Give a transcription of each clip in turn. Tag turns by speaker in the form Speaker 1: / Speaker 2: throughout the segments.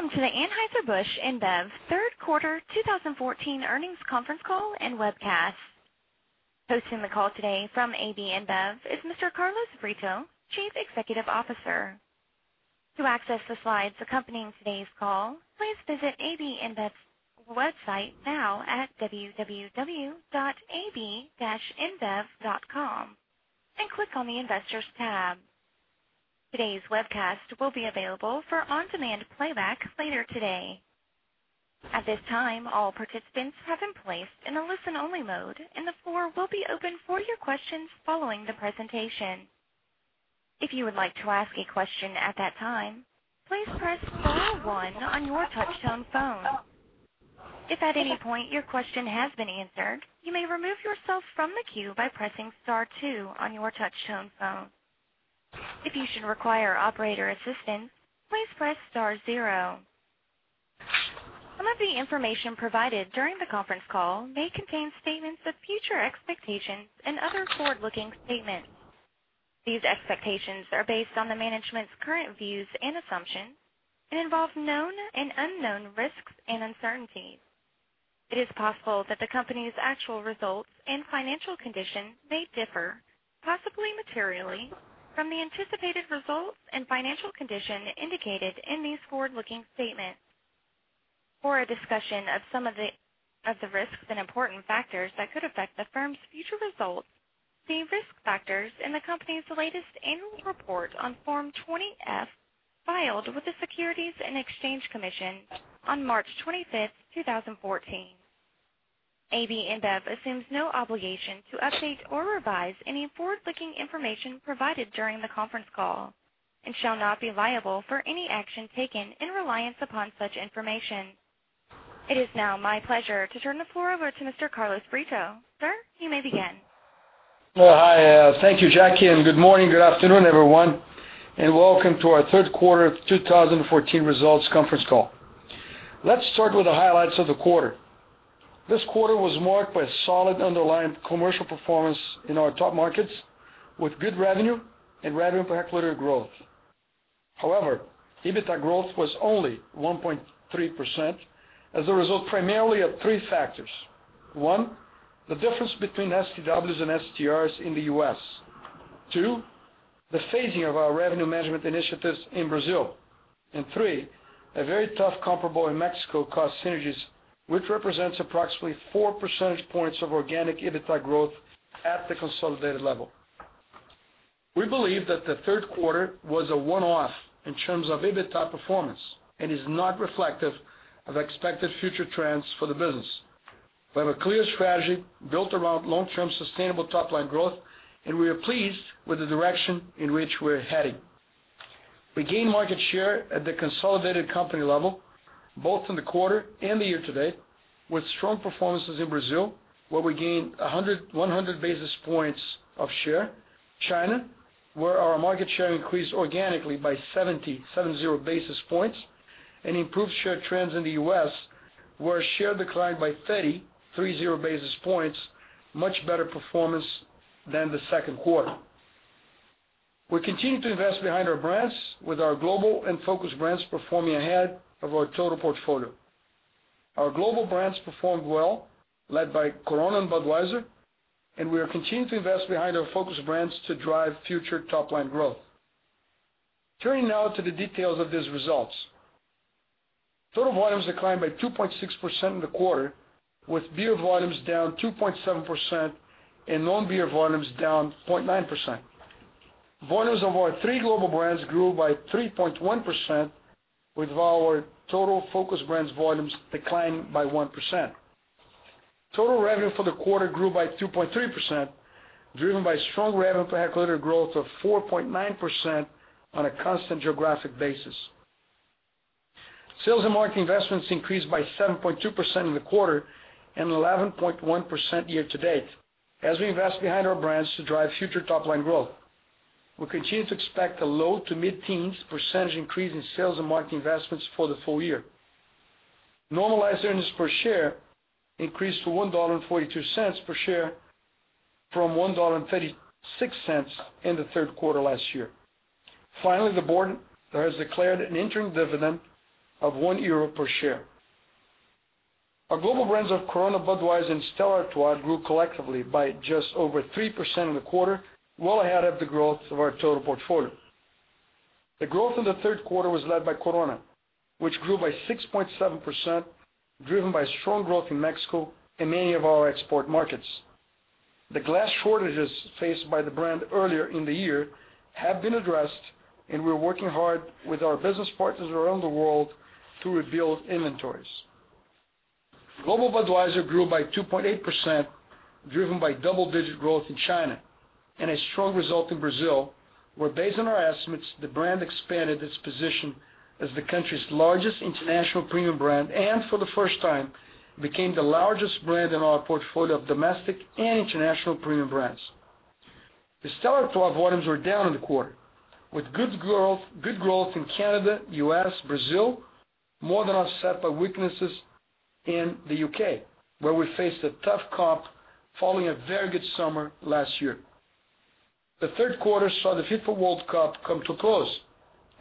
Speaker 1: Welcome to the Anheuser-Busch InBev third quarter 2014 earnings conference call and webcast. Hosting the call today from AB InBev is Mr. Carlos Brito, Chief Executive Officer. To access the slides accompanying today's call, please visit AB InBev's website now at www.ab-inbev.com and click on the investors tab. Today's webcast will be available for on-demand playback later today. At this time, all participants have been placed in a listen-only mode. The floor will be open for your questions following the presentation. If you would like to ask a question at that time, please press star one on your touch-tone phone. If at any point your question has been answered, you may remove yourself from the queue by pressing star two on your touch-tone phone. If you should require operator assistance, please press star zero. Some of the information provided during the conference call may contain statements of future expectations and other forward-looking statements. These expectations are based on the management's current views and assumptions and involve known and unknown risks and uncertainties. It is possible that the company's actual results and financial condition may differ, possibly materially, from the anticipated results and financial condition indicated in these forward-looking statements. For a discussion of some of the risks and important factors that could affect the firm's future results, see risk factors in the company's latest annual report on Form 20-F filed with the Securities and Exchange Commission on March 25th, 2014. AB InBev assumes no obligation to update or revise any forward-looking information provided during the conference call and shall not be liable for any action taken in reliance upon such information. It is now my pleasure to turn the floor over to Mr. Carlos Brito. Sir, you may begin.
Speaker 2: Well, hi. Thank you, Jackie, and good morning, good afternoon, everyone, and welcome to our third quarter 2014 results conference call. Let's start with the highlights of the quarter. This quarter was marked by solid underlying commercial performance in our top markets with good revenue and revenue per hectoliter growth. However, EBITA growth was only 1.3% as a result primarily of three factors. One, the difference between STWs and STRs in the U.S. Two, the phasing of our revenue management initiatives in Brazil. Three, a very tough comparable in Mexico cost synergies which represents approximately four percentage points of organic EBITA growth at the consolidated level. We believe that the third quarter was a one-off in terms of EBITA performance and is not reflective of expected future trends for the business. We have a clear strategy built around long-term sustainable top-line growth, and we are pleased with the direction in which we're heading. We gained market share at the consolidated company level both in the quarter and the year-to-date with strong performances in Brazil, where we gained 100 basis points of share, China, where our market share increased organically by 70 basis points, and improved share trends in the U.S. where share declined by 30 basis points. Much better performance than the second quarter. We continue to invest behind our brands with our global and focus brands performing ahead of our total portfolio. Our global brands performed well, led by Corona and Budweiser, and we are continuing to invest behind our focus brands to drive future top-line growth. Turning now to the details of these results. Total volumes declined by 2.6% in the quarter, with beer volumes down 2.7% and non-beer volumes down 0.9%. Volumes of our three global brands grew by 3.1%, with our total focus brands volumes declining by 1%. Total revenue for the quarter grew by 2.3%, driven by strong revenue per hectoliter growth of 4.9% on a constant geographic basis. Sales and marketing investments increased by 7.2% in the quarter and 11.1% year-to-date as we invest behind our brands to drive future top-line growth. We continue to expect a low-to-mid-teens percentage increase in sales and marketing investments for the full year. Normalized earnings per share increased to $1.42 per share from $1.36 in the third quarter last year. Finally, the board has declared an interim dividend of one EUR per share. Our global brands of Corona, Budweiser, and Stella Artois grew collectively by just over 3% in the quarter, well ahead of the growth of our total portfolio. The growth in the third quarter was led by Corona, which grew by 6.7%, driven by strong growth in Mexico and many of our export markets. The glass shortages faced by the brand earlier in the year have been addressed, and we're working hard with our business partners around the world to rebuild inventories. Global Budweiser grew by 2.8%, driven by double-digit growth in China and a strong result in Brazil, where, based on our estimates, the brand expanded its position as the country's largest international premium brand and for the first time became the largest brand in our portfolio of domestic and international premium brands. The Stella Artois volumes were down in the quarter with good growth in Canada, U.S., Brazil, more than offset by weaknesses in the U.K., where we faced a tough comp following a very good summer last year. The third quarter saw the FIFA World Cup come to a close.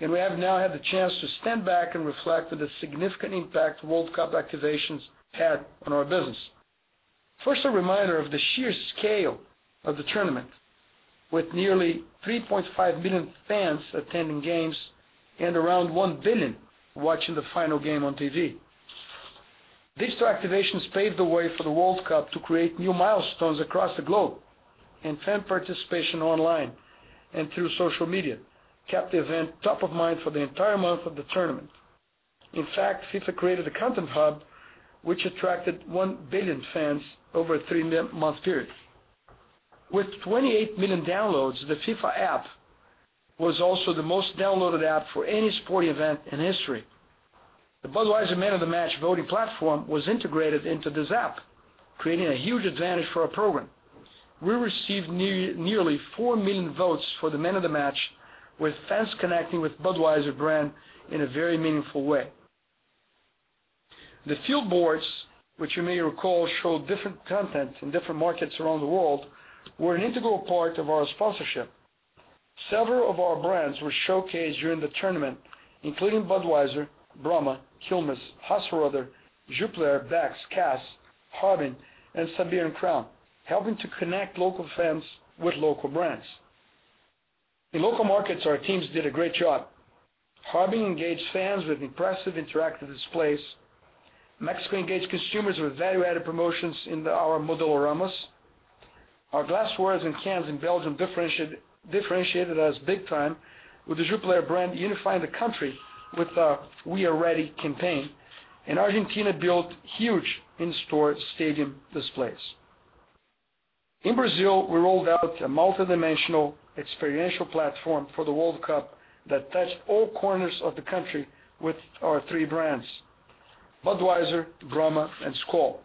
Speaker 2: We have now had the chance to stand back and reflect on the significant impact World Cup activations had on our business. First, a reminder of the sheer scale of the tournament, with nearly 3.5 million fans attending games and around one billion watching the final game on TV. Digital activations paved the way for the World Cup to create new milestones across the globe. Fan participation online and through social media kept the event top of mind for the entire month of the tournament. In fact, FIFA created a content hub, which attracted 1 billion fans over a 3-month period. With 28 million downloads, the FIFA app was also the most downloaded app for any sporting event in history. The Budweiser Man of the Match voting platform was integrated into this app, creating a huge advantage for our program. We received nearly 4 million votes for the Man of the Match, with fans connecting with Budweiser brand in a very meaningful way. The field boards, which you may recall, showed different content in different markets around the world, were an integral part of our sponsorship. Several of our brands were showcased during the tournament, including Budweiser, Brahma, Quilmes, Hasseröder, Jupiler, Beck's, Cass, Harbin, and Siberian Crown, helping to connect local fans with local brands. In local markets, our teams did a great job. Harbin engaged fans with impressive interactive displays. Mexico engaged consumers with value-added promotions in our Modeloramas. Our glassware and cans in Belgium differentiated us big time, with the Jupiler brand unifying the country with a We Are Ready campaign. Argentina built huge in-store stadium displays. In Brazil, we rolled out a multidimensional experiential platform for the World Cup that touched all corners of the country with our 3 brands, Budweiser, Brahma, and Skol.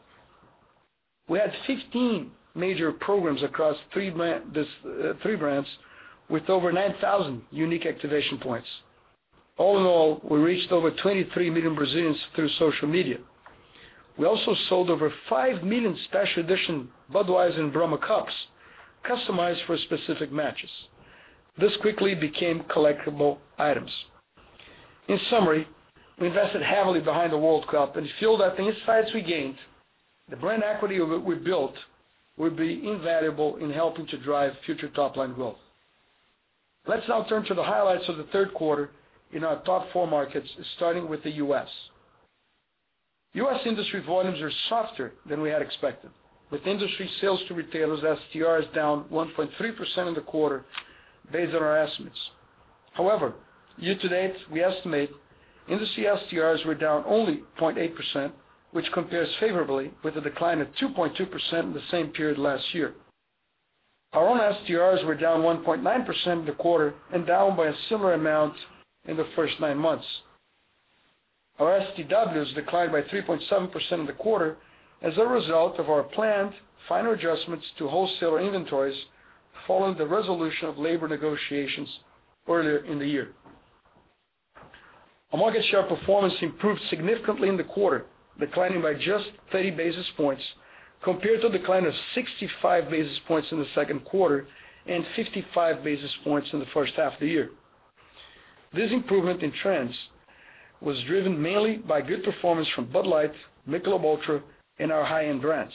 Speaker 2: We had 16 major programs across 3 brands with over 9,000 unique activation points. All in all, we reached over 23 million Brazilians through social media. We also sold over 5 million special edition Budweiser and Brahma cups customized for specific matches. This quickly became collectible items. In summary, we invested heavily behind the World Cup and feel that the insights we gained, the brand equity we built, will be invaluable in helping to drive future top-line growth. Let's now turn to the highlights of the third quarter in our top four markets, starting with the U.S. U.S. industry volumes are softer than we had expected, with industry sales to retailers, STRs, down 1.3% in the quarter based on our estimates. However, year-to-date, we estimate industry STRs were down only 0.8%, which compares favorably with a decline of 2.2% in the same period last year. Our own STRs were down 1.9% in the quarter and down by a similar amount in the first nine months. Our STWs declined by 3.7% in the quarter as a result of our planned final adjustments to wholesaler inventories following the resolution of labor negotiations earlier in the year. Our market share performance improved significantly in the quarter, declining by just 30 basis points compared to a decline of 65 basis points in the second quarter and 55 basis points in the first half of the year. This improvement in trends was driven mainly by good performance from Bud Light, Michelob ULTRA, and our high-end brands.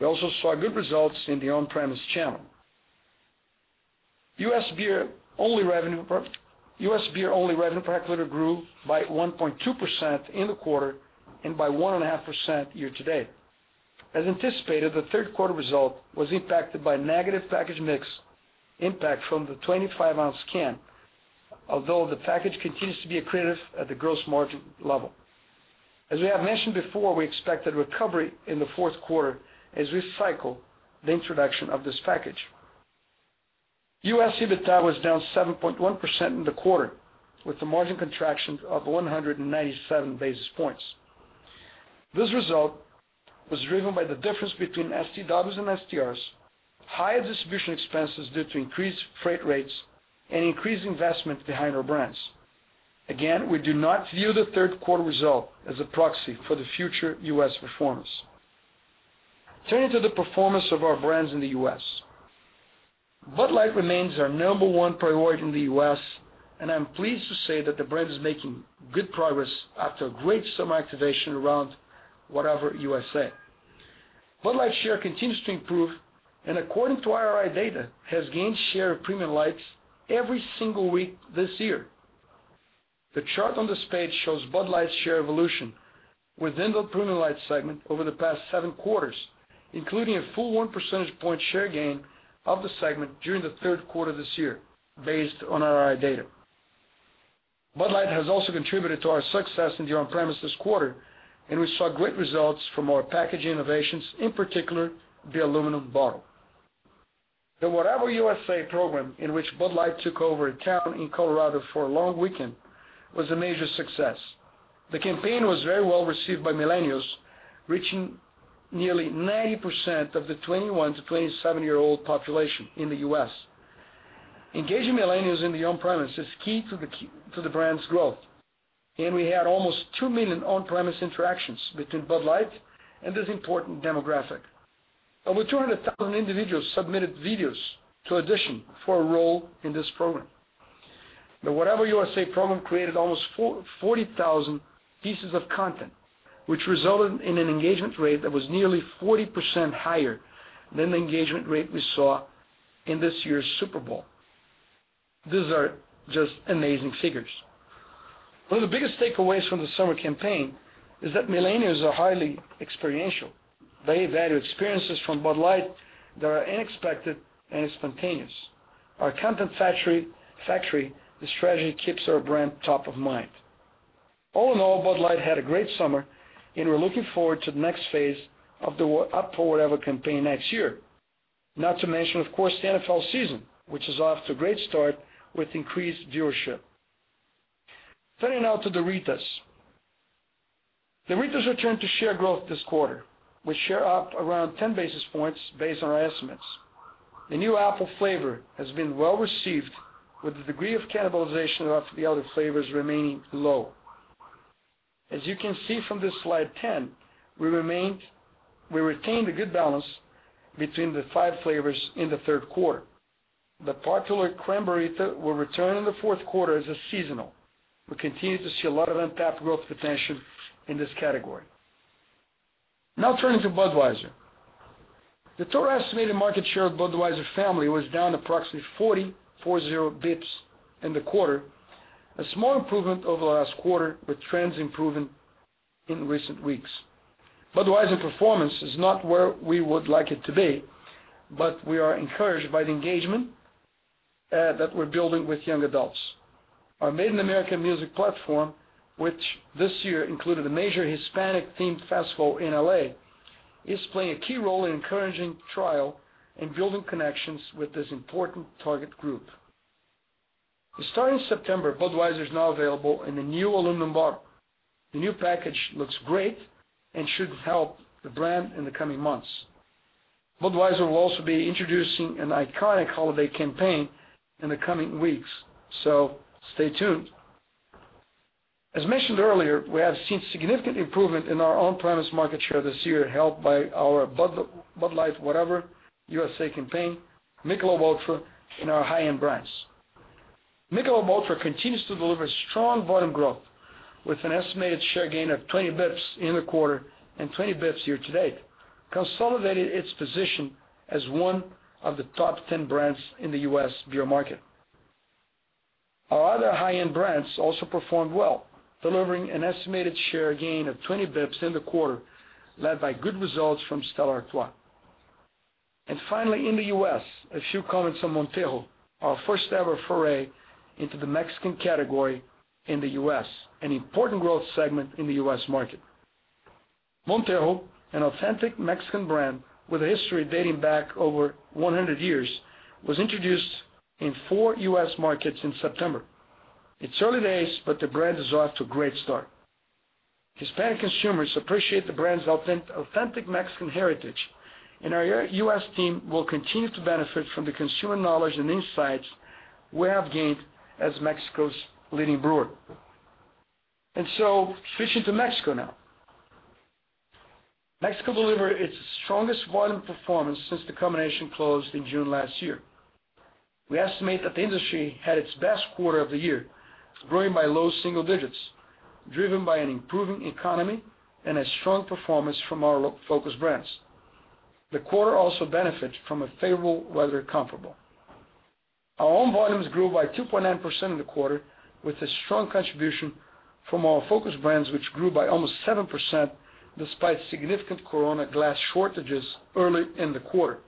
Speaker 2: We also saw good results in the on-premise channel. U.S. beer-only revenue per hectoliter grew by 1.2% in the quarter and by 1.5% year-to-date. As anticipated, the third quarter result was impacted by negative package mix impact from the 25-ounce can, although the package continues to be accretive at the gross margin level. As we have mentioned before, we expect a recovery in the fourth quarter as we cycle the introduction of this package. U.S. EBITDA was down 7.1% in the quarter with a margin contraction of 197 basis points. This result was driven by the difference between STWs and STRs, higher distribution expenses due to increased freight rates, and increased investment behind our brands. Again, we do not view the third quarter result as a proxy for the future U.S. performance. Turning to the performance of our brands in the U.S. Bud Light remains our number one priority in the U.S., and I'm pleased to say that the brand is making good progress after great summer activation around Whatever USA. Bud Light share continues to improve, and according to IRI data, has gained share of premium lights every single week this year. The chart on this page shows Bud Light's share evolution within the premium light segment over the past seven quarters, including a full one percentage point share gain of the segment during the third quarter of this year based on IRI data. Bud Light has also contributed to our success in the on-premise this quarter. We saw great results from our packaging innovations, in particular, the aluminum bottle. The Whatever USA program, in which Bud Light took over a town in Colorado for a long weekend, was a major success. The campaign was very well received by millennials, reaching nearly 90% of the 21-27-year-old population in the U.S. Engaging millennials in the on-premise is key to the brand's growth. We had almost 2 million on-premise interactions between Bud Light and this important demographic. Over 200,000 individuals submitted videos to audition for a role in this program. The Whatever USA program created almost 40,000 pieces of content, which resulted in an engagement rate that was nearly 40% higher than the engagement rate we saw in this year's Super Bowl. These are just amazing figures. One of the biggest takeaways from the summer campaign is that millennials are highly experiential. They value experiences from Bud Light that are unexpected and spontaneous. Our content factory strategy keeps our brand top of mind. All in all, Bud Light had a great summer, and we're looking forward to the next phase of the Up for Whatever campaign next year. Not to mention, of course, the NFL season, which is off to a great start with increased viewership. Turning now to Ritas. Ritas returned to share growth this quarter, with share up around 10 basis points based on our estimates. The new apple flavor has been well-received, with the degree of cannibalization of the other flavors remaining low. As you can see from this slide 10, we retained a good balance between the five flavors in the third quarter. The popular Cran-Brrr-Rita will return in the fourth quarter as a seasonal. We continue to see a lot of untapped growth potential in this category. Now turning to Budweiser. The total estimated market share of Budweiser family was down approximately 40 basis points in the quarter, a small improvement over last quarter, with trends improving in recent weeks. Budweiser performance is not where we would like it to be, but we are encouraged by the engagement that we're building with young adults. Our Made in America music platform, which this year included a major Hispanic-themed festival in L.A., is playing a key role in encouraging trial and building connections with this important target group. Starting September, Budweiser is now available in a new aluminum bottle. The new package looks great and should help the brand in the coming months. Budweiser will also be introducing an iconic holiday campaign in the coming weeks. Stay tuned. As mentioned earlier, we have seen significant improvement in our on-premise market share this year, helped by our Bud Light Whatever USA campaign, Michelob ULTRA, and our high-end brands. Michelob ULTRA continues to deliver strong volume growth with an estimated share gain of 20 basis points in the quarter and 20 basis points year-to-date, consolidating its position as one of the top 10 brands in the U.S. beer market. Our other high-end brands also performed well, delivering an estimated share gain of 20 basis points in the quarter, led by good results from Stella Artois. Finally, in the U.S., a few comments on Montejo, our first-ever foray into the Mexican category in the U.S., an important growth segment in the U.S. market. Montejo, an authentic Mexican brand with a history dating back over 100 years, was introduced in four U.S. markets in September. It's early days, but the brand is off to a great start. Hispanic consumers appreciate the brand's authentic Mexican heritage, and our U.S. team will continue to benefit from the consumer knowledge and insights we have gained as Mexico's leading brewer. Switching to Mexico now. Mexico delivered its strongest volume performance since the combination closed in June last year. We estimate that the industry had its best quarter of the year, growing by low single digits, driven by an improving economy and a strong performance from our focused brands. The quarter also benefits from a favorable weather comparable. Our own volumes grew by 2.9% in the quarter with a strong contribution from our focused brands, which grew by almost 7% despite significant Corona glass shortages early in the quarter.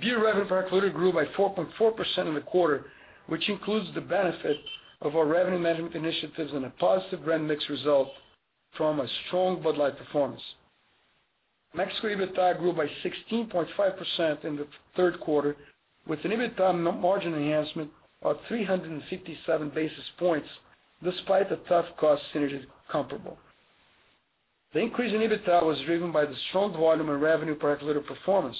Speaker 2: Beer revenue per hectoliter grew by 4.4% in the quarter, which includes the benefit of our revenue management initiatives and a positive brand mix result from a strong Bud Light performance. Mexico EBITDA grew by 16.5% in the third quarter with an EBITDA margin enhancement of 357 basis points despite a tough cost synergy comparable. The increase in EBITDA was driven by the strong volume and revenue per hectoliter performance,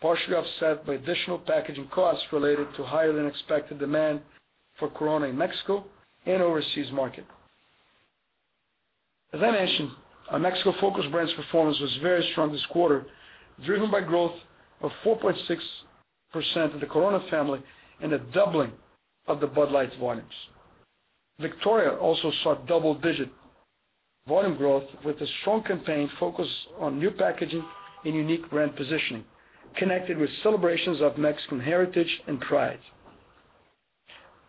Speaker 2: partially offset by additional packaging costs related to higher-than-expected demand for Corona in Mexico and overseas markets. As I mentioned, our Mexico focused brands performance was very strong this quarter, driven by growth of 4.6% of the Corona family and a doubling of the Bud Light volumes. Victoria also saw double-digit volume growth with a strong campaign focused on new packaging and unique brand positioning, connected with celebrations of Mexican heritage and pride.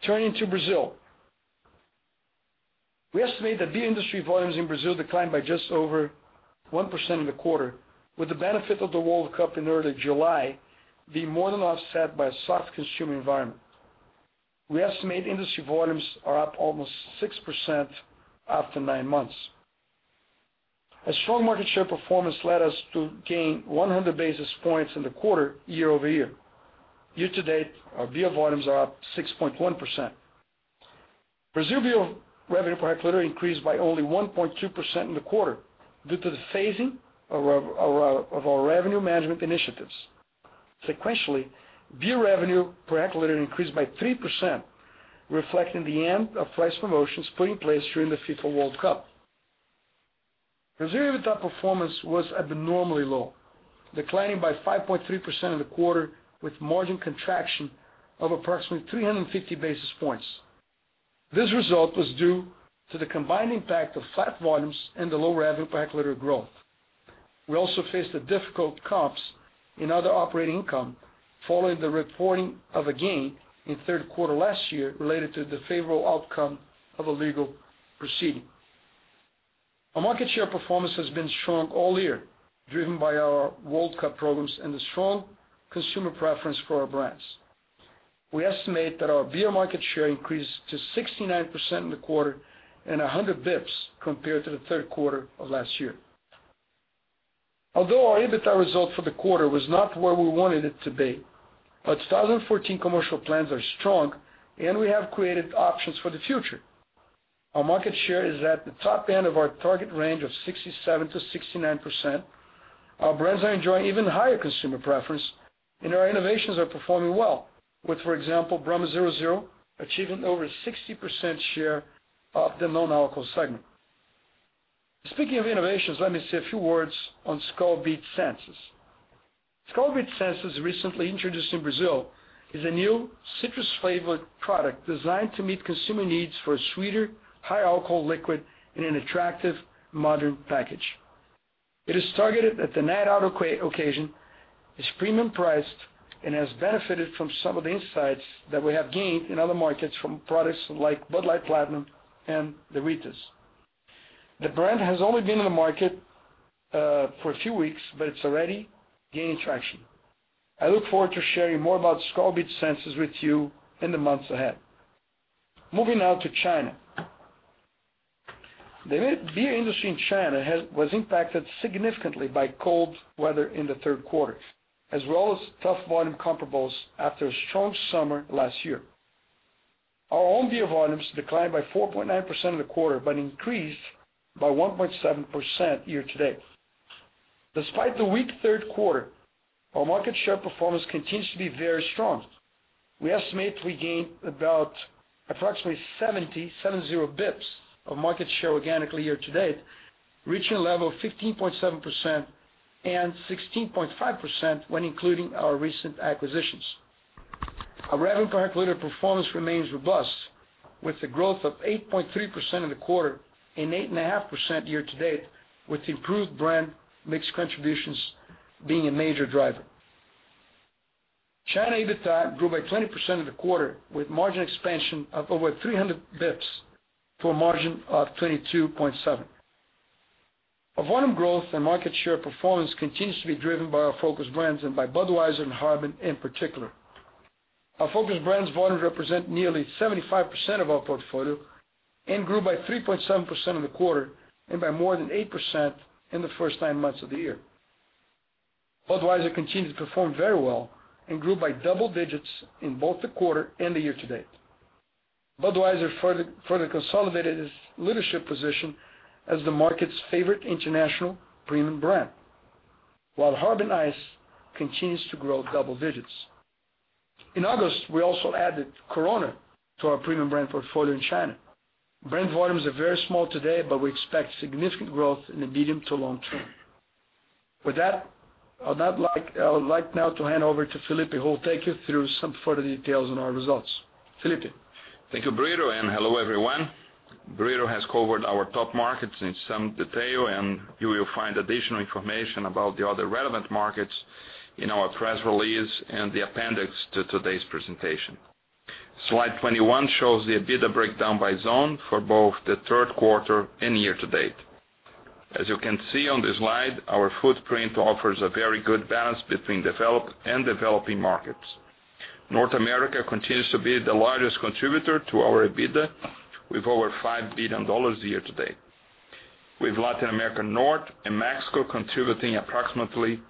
Speaker 2: Turning to Brazil. We estimate that beer industry volumes in Brazil declined by just over 1% in the quarter, with the benefit of the World Cup in early July being more than offset by a soft consumer environment. We estimate industry volumes are up almost 6% after nine months. A strong market share performance led us to gain 100 basis points in the quarter year-over-year. Year-to-date, our beer volumes are up 6.1%. Brazil beer revenue per hectoliter increased by only 1.2% in the quarter due to the phasing of our revenue management initiatives. Sequentially, beer revenue per hectoliter increased by 3%, reflecting the end of price promotions put in place during the FIFA World Cup. Brazilian EBITDA performance was abnormally low, declining by 5.3% in the quarter, with margin contraction of approximately 350 basis points. This result was due to the combined impact of flat volumes and the low revenue per hectoliter growth. We also faced difficult comps in other operating income following the reporting of a gain in third quarter last year related to the favorable outcome of a legal proceeding. Our market share performance has been strong all year, driven by our World Cup programs and the strong consumer preference for our brands. We estimate that our beer market share increased to 69% in the quarter and 100 basis points compared to the third quarter of last year. Although our EBITDA result for the quarter was not where we wanted it to be, our 2014 commercial plans are strong, and we have created options for the future. Our market share is at the top end of our target range of 67%-69%. Our brands are enjoying even higher consumer preference, and our innovations are performing well, with, for example, Brahma 0,0% achieving over 60% share of the low-alcohol segment. Speaking of innovations, let me say a few words on Skol Beats Senses. Skol Beats Senses, recently introduced in Brazil, is a new citrus-flavored product designed to meet consumer needs for a sweeter, high-alcohol liquid in an attractive modern package. It is targeted at the night out occasion, is premium priced, and has benefited from some of the insights that we have gained in other markets from products like Bud Light Platinum and the Ritas. The brand has only been on the market for a few weeks, but it's already gaining traction. I look forward to sharing more about Skol Beats Senses with you in the months ahead. Moving now to China. The beer industry in China was impacted significantly by cold weather in the third quarter, as well as tough volume comparables after a strong summer last year. Our own beer volumes declined by 4.9% in the quarter, but increased by 1.7% year-to-date. Despite the weak third quarter, our market share performance continues to be very strong. We estimate we gained approximately 70 basis points of market share organically year-to-date, reaching a level of 15.7% and 16.5% when including our recent acquisitions. Our revenue per hectoliter performance remains robust, with a growth of 8.3% in the quarter and 8.5% year-to-date, with improved brand mix contributions being a major driver. China EBITDA grew by 20% in the quarter, with margin expansion of over 300 basis points to a margin of 22.7%. Our volume growth and market share performance continues to be driven by our focused brands and by Budweiser and Harbin in particular. Our focused brands volumes represent nearly 75% of our portfolio and grew by 3.7% in the quarter and by more than 8% in the first nine months of the year. Budweiser continues to perform very well and grew by double digits in both the quarter and the year-to-date. Budweiser further consolidated its leadership position as the market's favorite international premium brand, while Harbin Ice continues to grow double digits. In August, we also added Corona to our premium brand portfolio in China. Brand volumes are very small today, but we expect significant growth in the medium-to-long-term. With that, I would like now to hand over to Felipe, who will take you through some further details on our results. Felipe?
Speaker 3: Thank you, Brito. Hello, everyone. Brito has covered our top markets in some detail. You will find additional information about the other relevant markets in our press release and the appendix to today's presentation. Slide 21 shows the EBITDA breakdown by zone for both the third quarter and year to date. As you can see on this slide, our footprint offers a very good balance between developed and developing markets. North America continues to be the largest contributor to our EBITDA, with over $5 billion year to date, with Latin America North and Mexico contributing approximately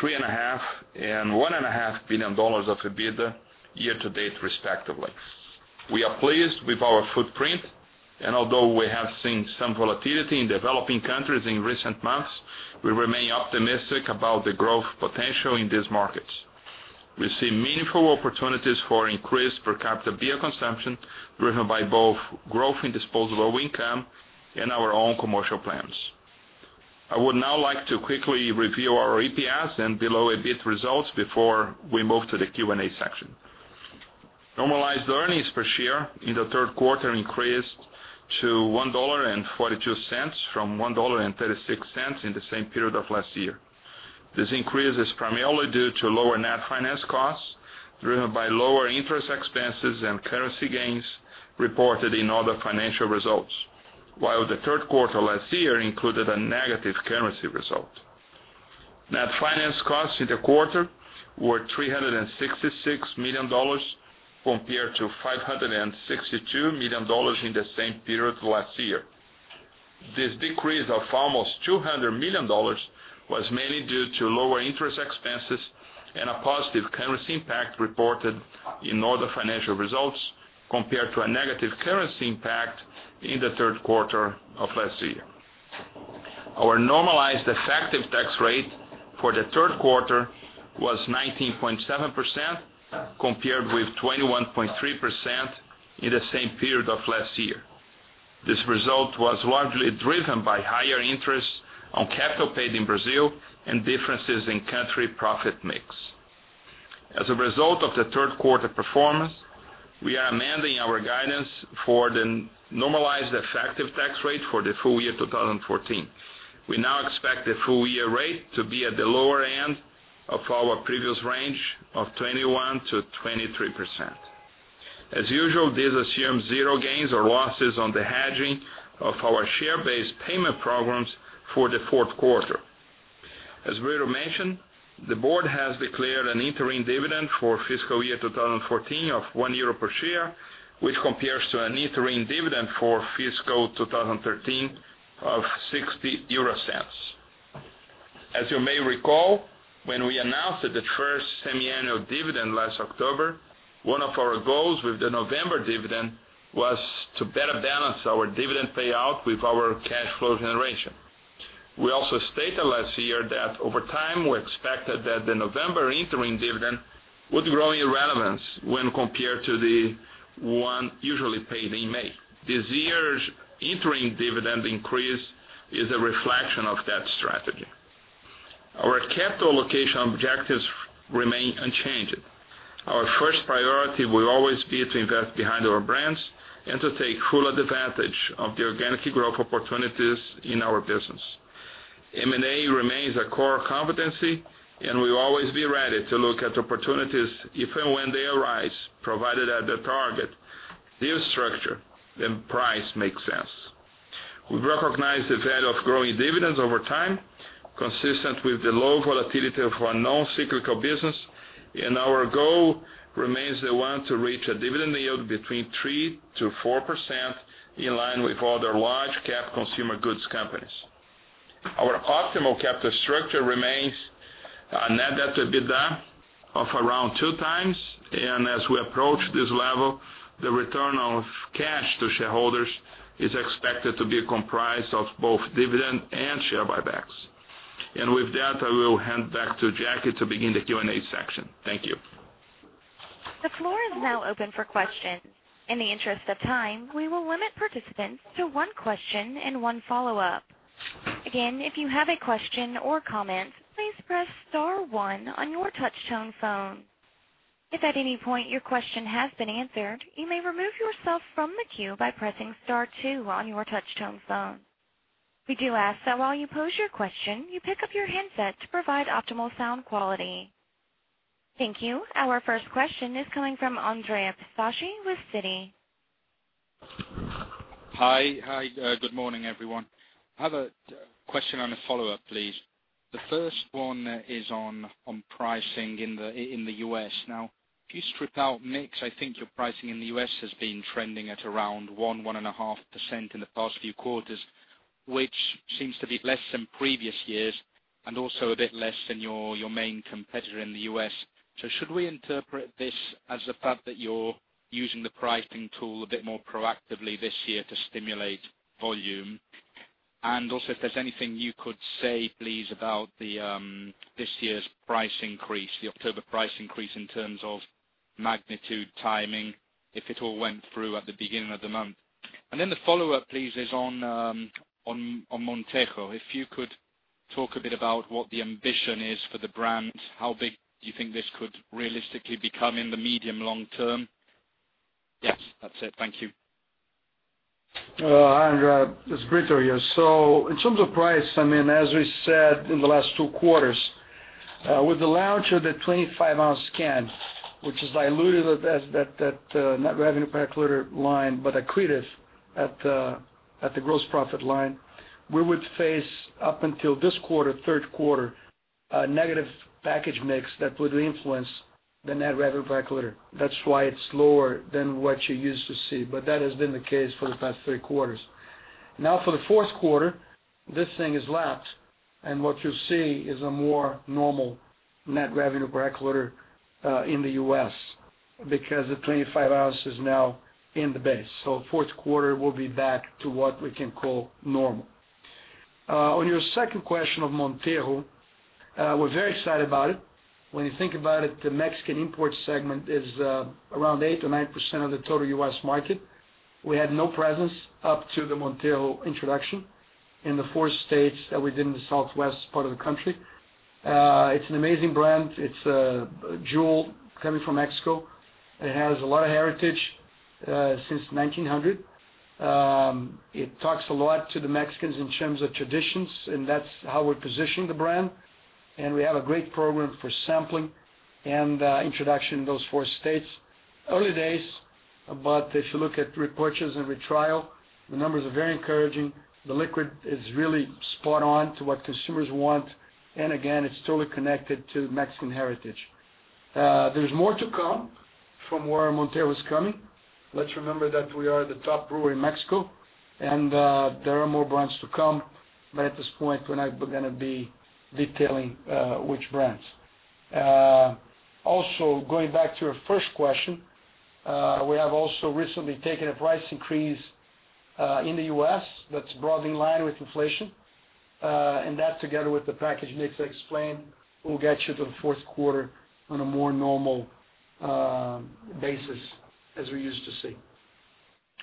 Speaker 3: three and a half and one and a half billion dollars of EBITDA year to date, respectively. We are pleased with our footprint. Although we have seen some volatility in developing countries in recent months, we remain optimistic about the growth potential in these markets. We see meaningful opportunities for increased per capita beer consumption driven by both growth in disposable income and our own commercial plans. I would now like to quickly review our EPS and below-EBIT results before we move to the Q&A section. Normalized earnings per share in the third quarter increased to $1.42 from $1.36 in the same period of last year. This increase is primarily due to lower net finance costs driven by lower interest expenses and currency gains reported in all the financial results, while the third quarter last year included a negative currency result. Net finance costs in the quarter were $366 million compared to $562 million in the same period last year. This decrease of almost $200 million was mainly due to lower interest expenses and a positive currency impact reported in all the financial results, compared to a negative currency impact in the third quarter of last year. Our normalized effective tax rate for the third quarter was 19.7%, compared with 21.3% in the same period of last year. This result was largely driven by higher interest on capital paid in Brazil and differences in country profit mix. As a result of the third quarter performance, we are amending our guidance for the normalized effective tax rate for the full year 2014. We now expect the full-year rate to be at the lower end of our previous range of 21%-23%. As usual, this assumes zero gains or losses on the hedging of our share-based payment programs for the fourth quarter. As Mauro mentioned, the board has declared an interim dividend for fiscal year 2014 of 1 euro per share, which compares to an interim dividend for fiscal 2013 of 0.60. As you may recall, when we announced the first semiannual dividend last October, one of our goals with the November dividend was to better balance our dividend payout with our cash flow generation. We also stated last year that over time, we expected that the November interim dividend would grow in relevance when compared to the one usually paid in May. This year's interim dividend increase is a reflection of that strategy. Our capital allocation objectives remain unchanged. Our first priority will always be to invest behind our brands and to take full advantage of the organic growth opportunities in our business. M&A remains a core competency. We'll always be ready to look at opportunities if and when they arise, provided that the target, deal structure, and price make sense. We recognize the value of growing dividends over time, consistent with the low volatility of our non-cyclical business, and our goal remains the one to reach a dividend yield between 3%-4%, in line with other large cap consumer goods companies. Our optimal capital structure remains a net debt to EBITDA of around 2x, and as we approach this level, the return of cash to shareholders is expected to be comprised of both dividend and share buybacks. With that, I will hand back to Jackie to begin the Q&A section. Thank you.
Speaker 1: The floor is now open for questions. In the interest of time, we will limit participants to one question and one follow-up. Again, if you have a question or comment, please press *1 on your touchtone phone. If at any point your question has been answered, you may remove yourself from the queue by pressing *2 on your touchtone phone. We do ask that while you pose your question, you pick up your handset to provide optimal sound quality. Thank you. Our first question is coming from Andrea Pistacchi with Citi.
Speaker 4: Hi. Good morning, everyone. I have a question and a follow-up, please. The first one is on pricing in the U.S. Now, if you strip out mix, I think your pricing in the U.S. has been trending at around 1%, 1.5% in the past few quarters, which seems to be less than previous years and also a bit less than your main competitor in the U.S. Should we interpret this as the fact that you're using the pricing tool a bit more proactively this year to stimulate volume? Also, if there's anything you could say, please, about this year's price increase, the October price increase in terms of magnitude, timing, if it all went through at the beginning of the month. Then the follow-up, please, is on Montejo. If you could talk a bit about what the ambition is for the brand, how big do you think this could realistically become in the medium long term? Yes, that's it. Thank you.
Speaker 2: Andrea, it's Brito here. In terms of price, as we said in the last two quarters, with the launch of the 25-ounce can, which is dilutive at that net revenue per hectoliter line, but accretive at the gross profit line, we would face up until this quarter, third quarter, a negative package mix that would influence the net revenue per hectoliter. That's why it's lower than what you're used to seeing, but that has been the case for the past three quarters. For the fourth quarter, this thing is lapped, and what you'll see is a more normal net revenue per hectoliter in the U.S. because the 25 ounce is now in the base. Fourth quarter, we'll be back to what we can call normal. On your second question of Montejo, we're very excited about it.
Speaker 3: When you think about it, the Mexican import segment is around 8%-9% of the total U.S. market. We had no presence up to the Montejo introduction in the four states that we did in the southwest part of the country. It's an amazing brand. It's a jewel coming from Mexico. It has a lot of heritage since 1900. It talks a lot to the Mexicans in terms of traditions, and that's how we're positioning the brand, and we have a great program for sampling and introduction in those four states. Early days, but if you look at repurchase and retrial, the numbers are very encouraging. The liquid is really spot on to what consumers want, and again, it's totally connected to Mexican heritage. There's more to come from where Montejo is coming.
Speaker 2: Let's remember that we are the top brewer in Mexico, and there are more brands to come. At this point, we're not going to be detailing which brands. Going back to your first question
Speaker 3: We have also recently taken a price increase in the U.S. that's broadly in line with inflation. That, together with the package mix I explained, will get you to the fourth quarter on a more normal basis as we're used to seeing.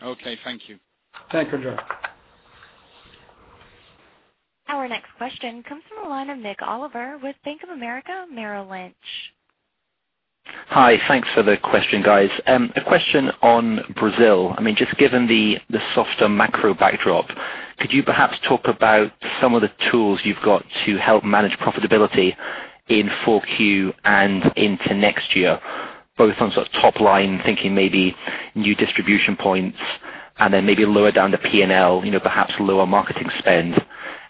Speaker 4: Okay, thank you.
Speaker 2: Thank you, Andrea.
Speaker 1: Our next question comes from the line of Nik Oliver with Bank of America Merrill Lynch.
Speaker 5: Hi. Thanks for the question, guys. A question on Brazil. Just given the softer macro backdrop, could you perhaps talk about some of the tools you've got to help manage profitability in 4Q and into next year, both on sort of top line, thinking maybe new distribution points, then maybe lower down the P&L, perhaps lower marketing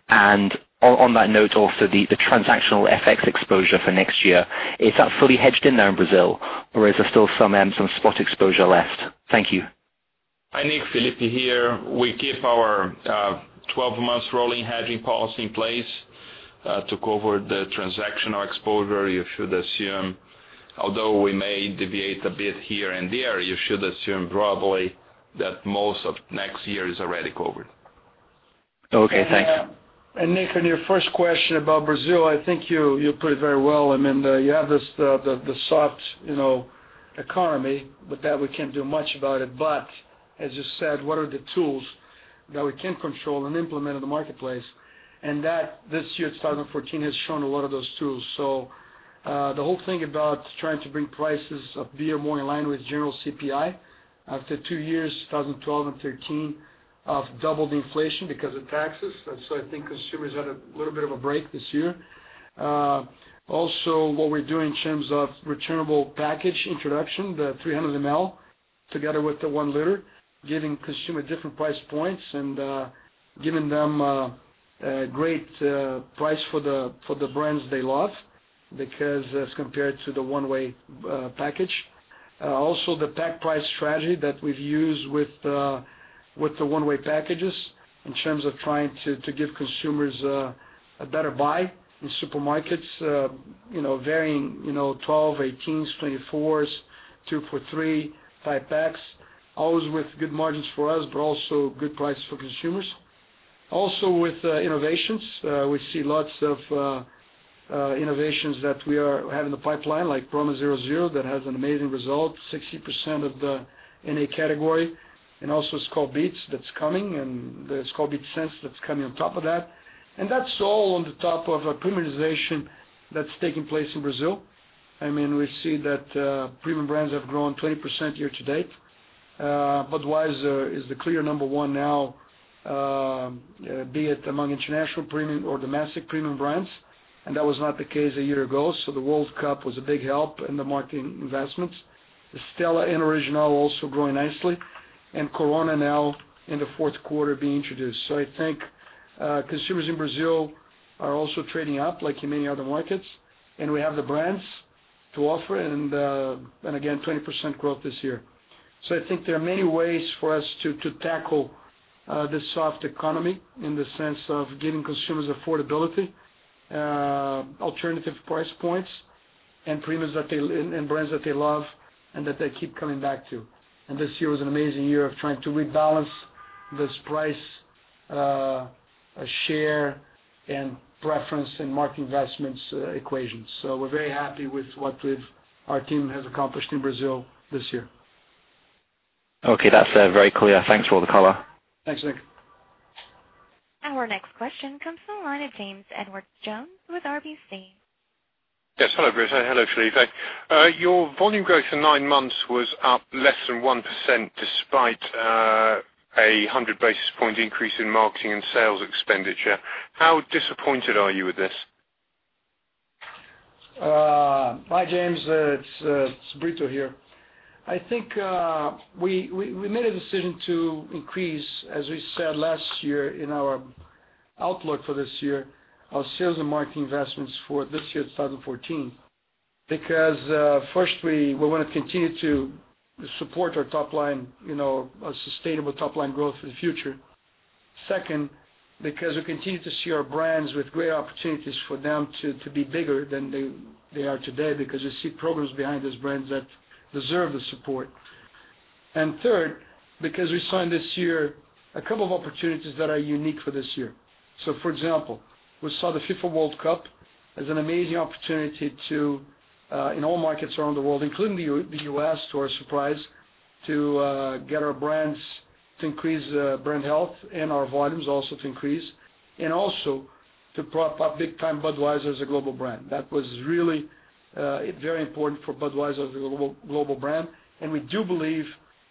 Speaker 5: spend. On that note also, the transactional FX exposure for next year, is that fully hedged in there in Brazil, or is there still some spot exposure left? Thank you.
Speaker 3: Hi, Nick. Felipe here. We keep our 12 months rolling hedging policy in place to cover the transactional exposure. Although we may deviate a bit here and there, you should assume broadly that most of next year is already covered.
Speaker 5: Okay, thanks.
Speaker 2: Nick, on your first question about Brazil, I think you put it very well. You have the soft economy, but that we can't do much about it. As you said, what are the tools that we can control and implement in the marketplace? That this year, 2014, has shown a lot of those tools. The whole thing about trying to bring prices of beer more in line with general CPI after two years, 2012 and 2013, of double the inflation because of taxes. I think consumers had a little bit of a break this year. Also, what we're doing in terms of returnable package introduction, the 300 ml together with the one liter, giving consumer different price points and giving them a great price for the brands they love, because as compared to the one-way package. The pack price strategy that we've used with the one-way packages in terms of trying to give consumers a better buy in supermarkets varying 12, 18s, 24s, 2 for 3, 5 packs, always with good margins for us, but also good prices for consumers. With innovations, we see lots of innovations that we have in the pipeline, like Brahma 0,0%, that has an amazing result, 60% of the NA category, and also Skol Beats that's coming, and the Skol Beats Senses that's coming on top of that. That's all on the top of a premiumization that's taking place in Brazil. We see that premium brands have grown 20% year to date. Budweiser is the clear number 1 now, be it among international premium or domestic premium brands, and that was not the case one year ago. The World Cup was a big help in the marketing investments. Stella and Original also growing nicely, and Corona now in the fourth quarter being introduced. I think consumers in Brazil are also trading up like in many other markets, and we have the brands to offer, and again, 20% growth this year. I think there are many ways for us to tackle this soft economy in the sense of giving consumers affordability, alternative price points, and brands that they love and that they keep coming back to. This year was an amazing year of trying to rebalance this price share and preference and market investments equation. We're very happy with what our team has accomplished in Brazil this year.
Speaker 5: Okay. That's very clear. Thanks for all the color.
Speaker 2: Thanks, Nick.
Speaker 1: Our next question comes from the line of James Edwardes Jones with RBC.
Speaker 6: Yes. Hello, Brito. Hello, Felipe. Your volume growth for nine months was up less than 1% despite 100 basis point increase in marketing and sales expenditure. How disappointed are you with this?
Speaker 2: Hi, James. It's Brito here. I think we made a decision to increase, as we said last year in our outlook for this year, our sales and marketing investments for this year, 2014, because firstly, we want to continue to support our top line, a sustainable top-line growth for the future. Second, because we continue to see our brands with great opportunities for them to be bigger than they are today because we see programs behind those brands that deserve the support. Third, because we signed this year a couple of opportunities that are unique for this year. For example, we saw the FIFA World Cup as an amazing opportunity to, in all markets around the world, including the U.S., to our surprise, to get our brands to increase brand health and our volumes also to increase, also to prop up big time Budweiser as a global brand. That was really very important for Budweiser as a global brand. We do believe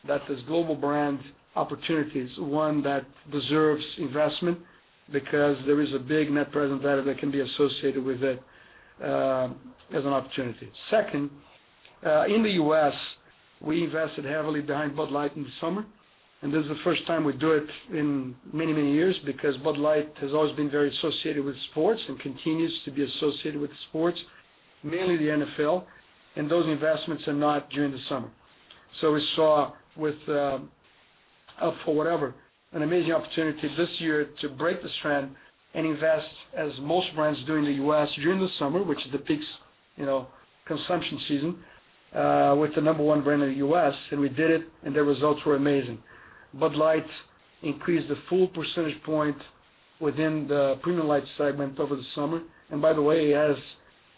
Speaker 2: that this global brand opportunity is one that deserves investment because there is a big net present value that can be associated with it as an opportunity. Second, in the U.S., we invested heavily behind Bud Light in the summer, this is the first time we do it in many, many years because Bud Light has always been very associated with sports and continues to be associated with sports, mainly the NFL, those investments are not during the summer. We saw with Up for Whatever. An amazing opportunity this year to break this trend and invest, as most brands do in the U.S. during the summer, which is the peak consumption season, with the number 1 brand in the U.S. We did it, and the results were amazing. Bud Light increased a full percentage point within the premium light segment over the summer. By the way, has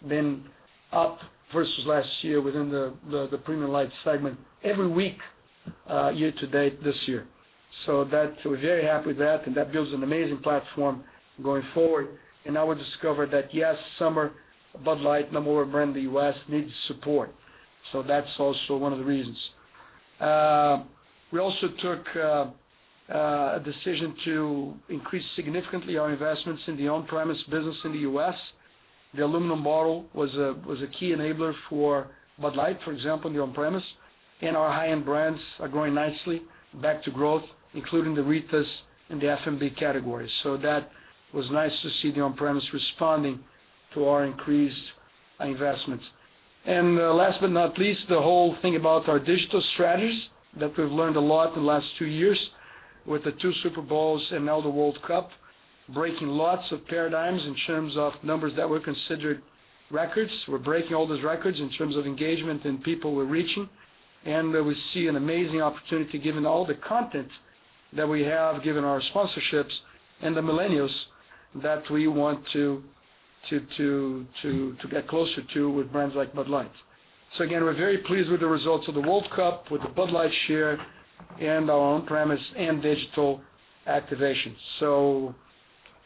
Speaker 2: been up versus last year within the premium light segment every week, year-to-date this year. We are very happy with that, and that builds an amazing platform going forward. Now we discovered that, yes, summer, Bud Light, number 1 brand in the U.S., needs support. That is also one of the reasons. We also took a decision to increase significantly our investments in the on-premise business in the U.S. The aluminum bottle was a key enabler for Bud Light, for example, in the on-premise. Our high-end brands are growing nicely, back to growth, including the Ritas and the FMB categories. That was nice to see the on-premise responding to our increased investments. Last but not least, the whole thing about our digital strategies that we've learned a lot in the last two years with the two Super Bowls and now the FIFA World Cup, breaking lots of paradigms in terms of numbers that were considered records. We're breaking all those records in terms of engagement and people we're reaching, and we see an amazing opportunity given all the content that we have, given our sponsorships and the millennials that we want to get closer to with brands like Bud Light. Again, we're very pleased with the results of the FIFA World Cup, with the Bud Light share, and our on-premise and digital activation.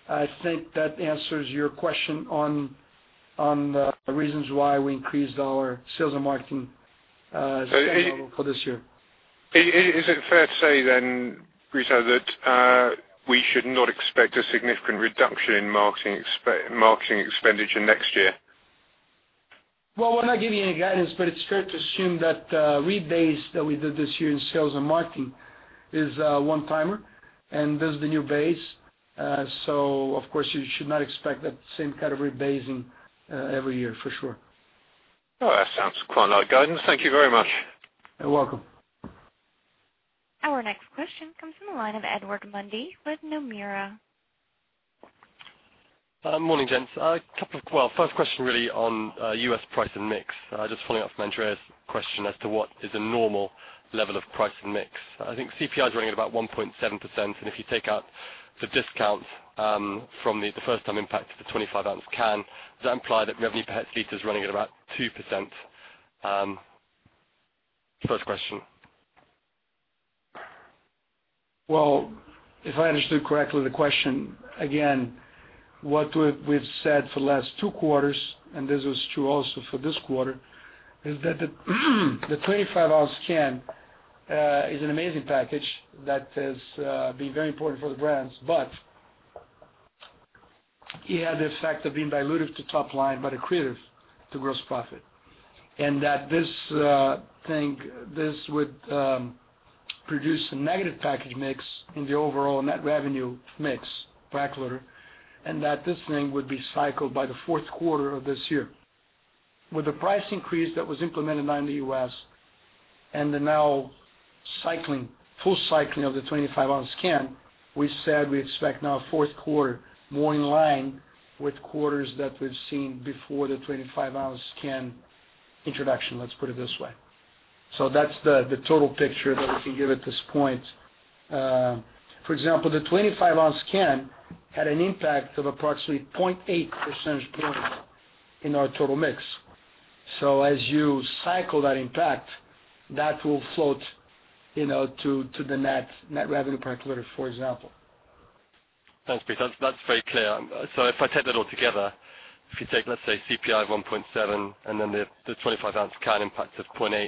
Speaker 2: I think that answers your question on the reasons why we increased our sales and marketing spend level for this year.
Speaker 6: Is it fair to say then, Brito, that we should not expect a significant reduction in marketing expenditure next year?
Speaker 2: Well, we're not giving any guidance, but it's fair to assume that rebase that we did this year in sales and marketing is a one-timer, and this is the new base. Of course, you should not expect that same category rebasing every year, for sure.
Speaker 6: Oh, that sounds quite like guidance. Thank you very much.
Speaker 2: You're welcome.
Speaker 1: Our next question comes from the line of Edward Mundy with Nomura.
Speaker 7: Morning, gents. First question really on U.S. price and mix, just following up from Andrea's question as to what is a normal level of price and mix. I think CPI is running at about 1.7%, if you take out the discounts from the first-time impact of the 25-ounce can, does that imply that revenue per hectoliter is running at about 2%? First question.
Speaker 2: Well, if I understood correctly the question, again, what we've said for the last two quarters, and this is true also for this quarter, is that the 25-ounce can is an amazing package that has been very important for the brands, but it had the effect of being dilutive to top line but accretive to gross profit. That this would produce a negative package mix in the overall net revenue mix per hectoliter, and that this thing would be cycled by the fourth quarter of this year. With the price increase that was implemented now in the U.S. and the now full cycling of the 25-ounce can, we said we expect now fourth quarter more in line with quarters that we've seen before the 25-ounce can introduction, let's put it this way. That's the total picture that we can give at this point. For example, the 25-ounce can had an impact of approximately 0.8 percentage points in our total mix. As you cycle that impact, that will float to the net revenue per hectoliter, for example.
Speaker 7: Thanks, Brito. That's very clear. If I take that all together, if you take, let's say, CPI of 1.7 and then the 25-ounce can impact of 0.8,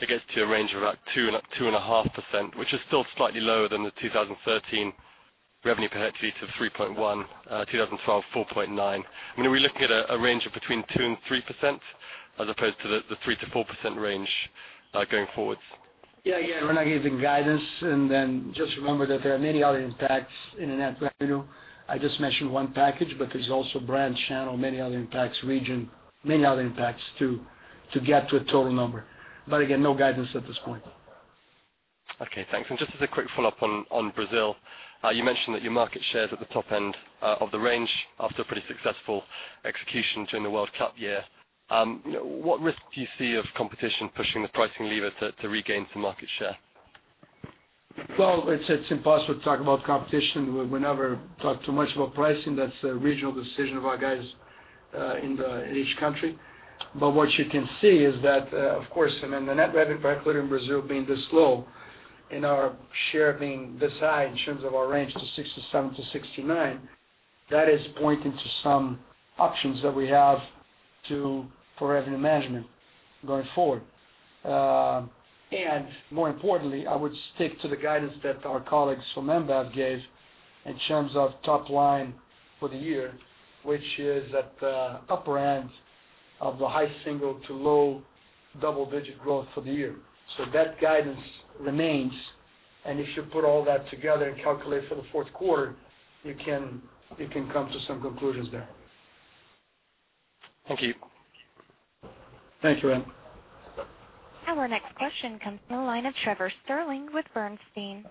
Speaker 7: that gets to a range of about 2.5%, which is still slightly lower than the 2013 revenue per hectoliter of 3.1%, 2012, 4.9%. I mean, are we looking at a range of between 2% and 3% as opposed to the 3%-4% range going forward?
Speaker 2: Yeah. We're not giving guidance. Just remember that there are many other impacts in the net revenue. I just mentioned one package, but there's also brand, channel, many other impacts, region, many other impacts to get to a total number. Again, no guidance at this point.
Speaker 7: Okay, thanks. Just as a quick follow-up on Brazil, you mentioned that your market share is at the top end of the range after a pretty successful execution during the World Cup year. What risk do you see of competition pushing the pricing lever to regain some market share?
Speaker 2: It's impossible to talk about competition. We never talk too much about pricing. That's a regional decision of our guys in each country. What you can see is that, of course, the net revenue per hectoliter in Brazil being this low and our share being this high in terms of our range to 67 to 69, that is pointing to some options that we have for revenue management going forward. More importantly, I would stick to the guidance that our colleagues from Ambev gave in terms of top line for the year, which is at the upper end of the high single-digit to low double-digit growth for the year. That guidance remains, if you put all that together and calculate for the fourth quarter, you can come to some conclusions there.
Speaker 7: Thank you.
Speaker 2: Thanks, Edward.
Speaker 1: Our next question comes from the line of Trevor Stirling with Bernstein.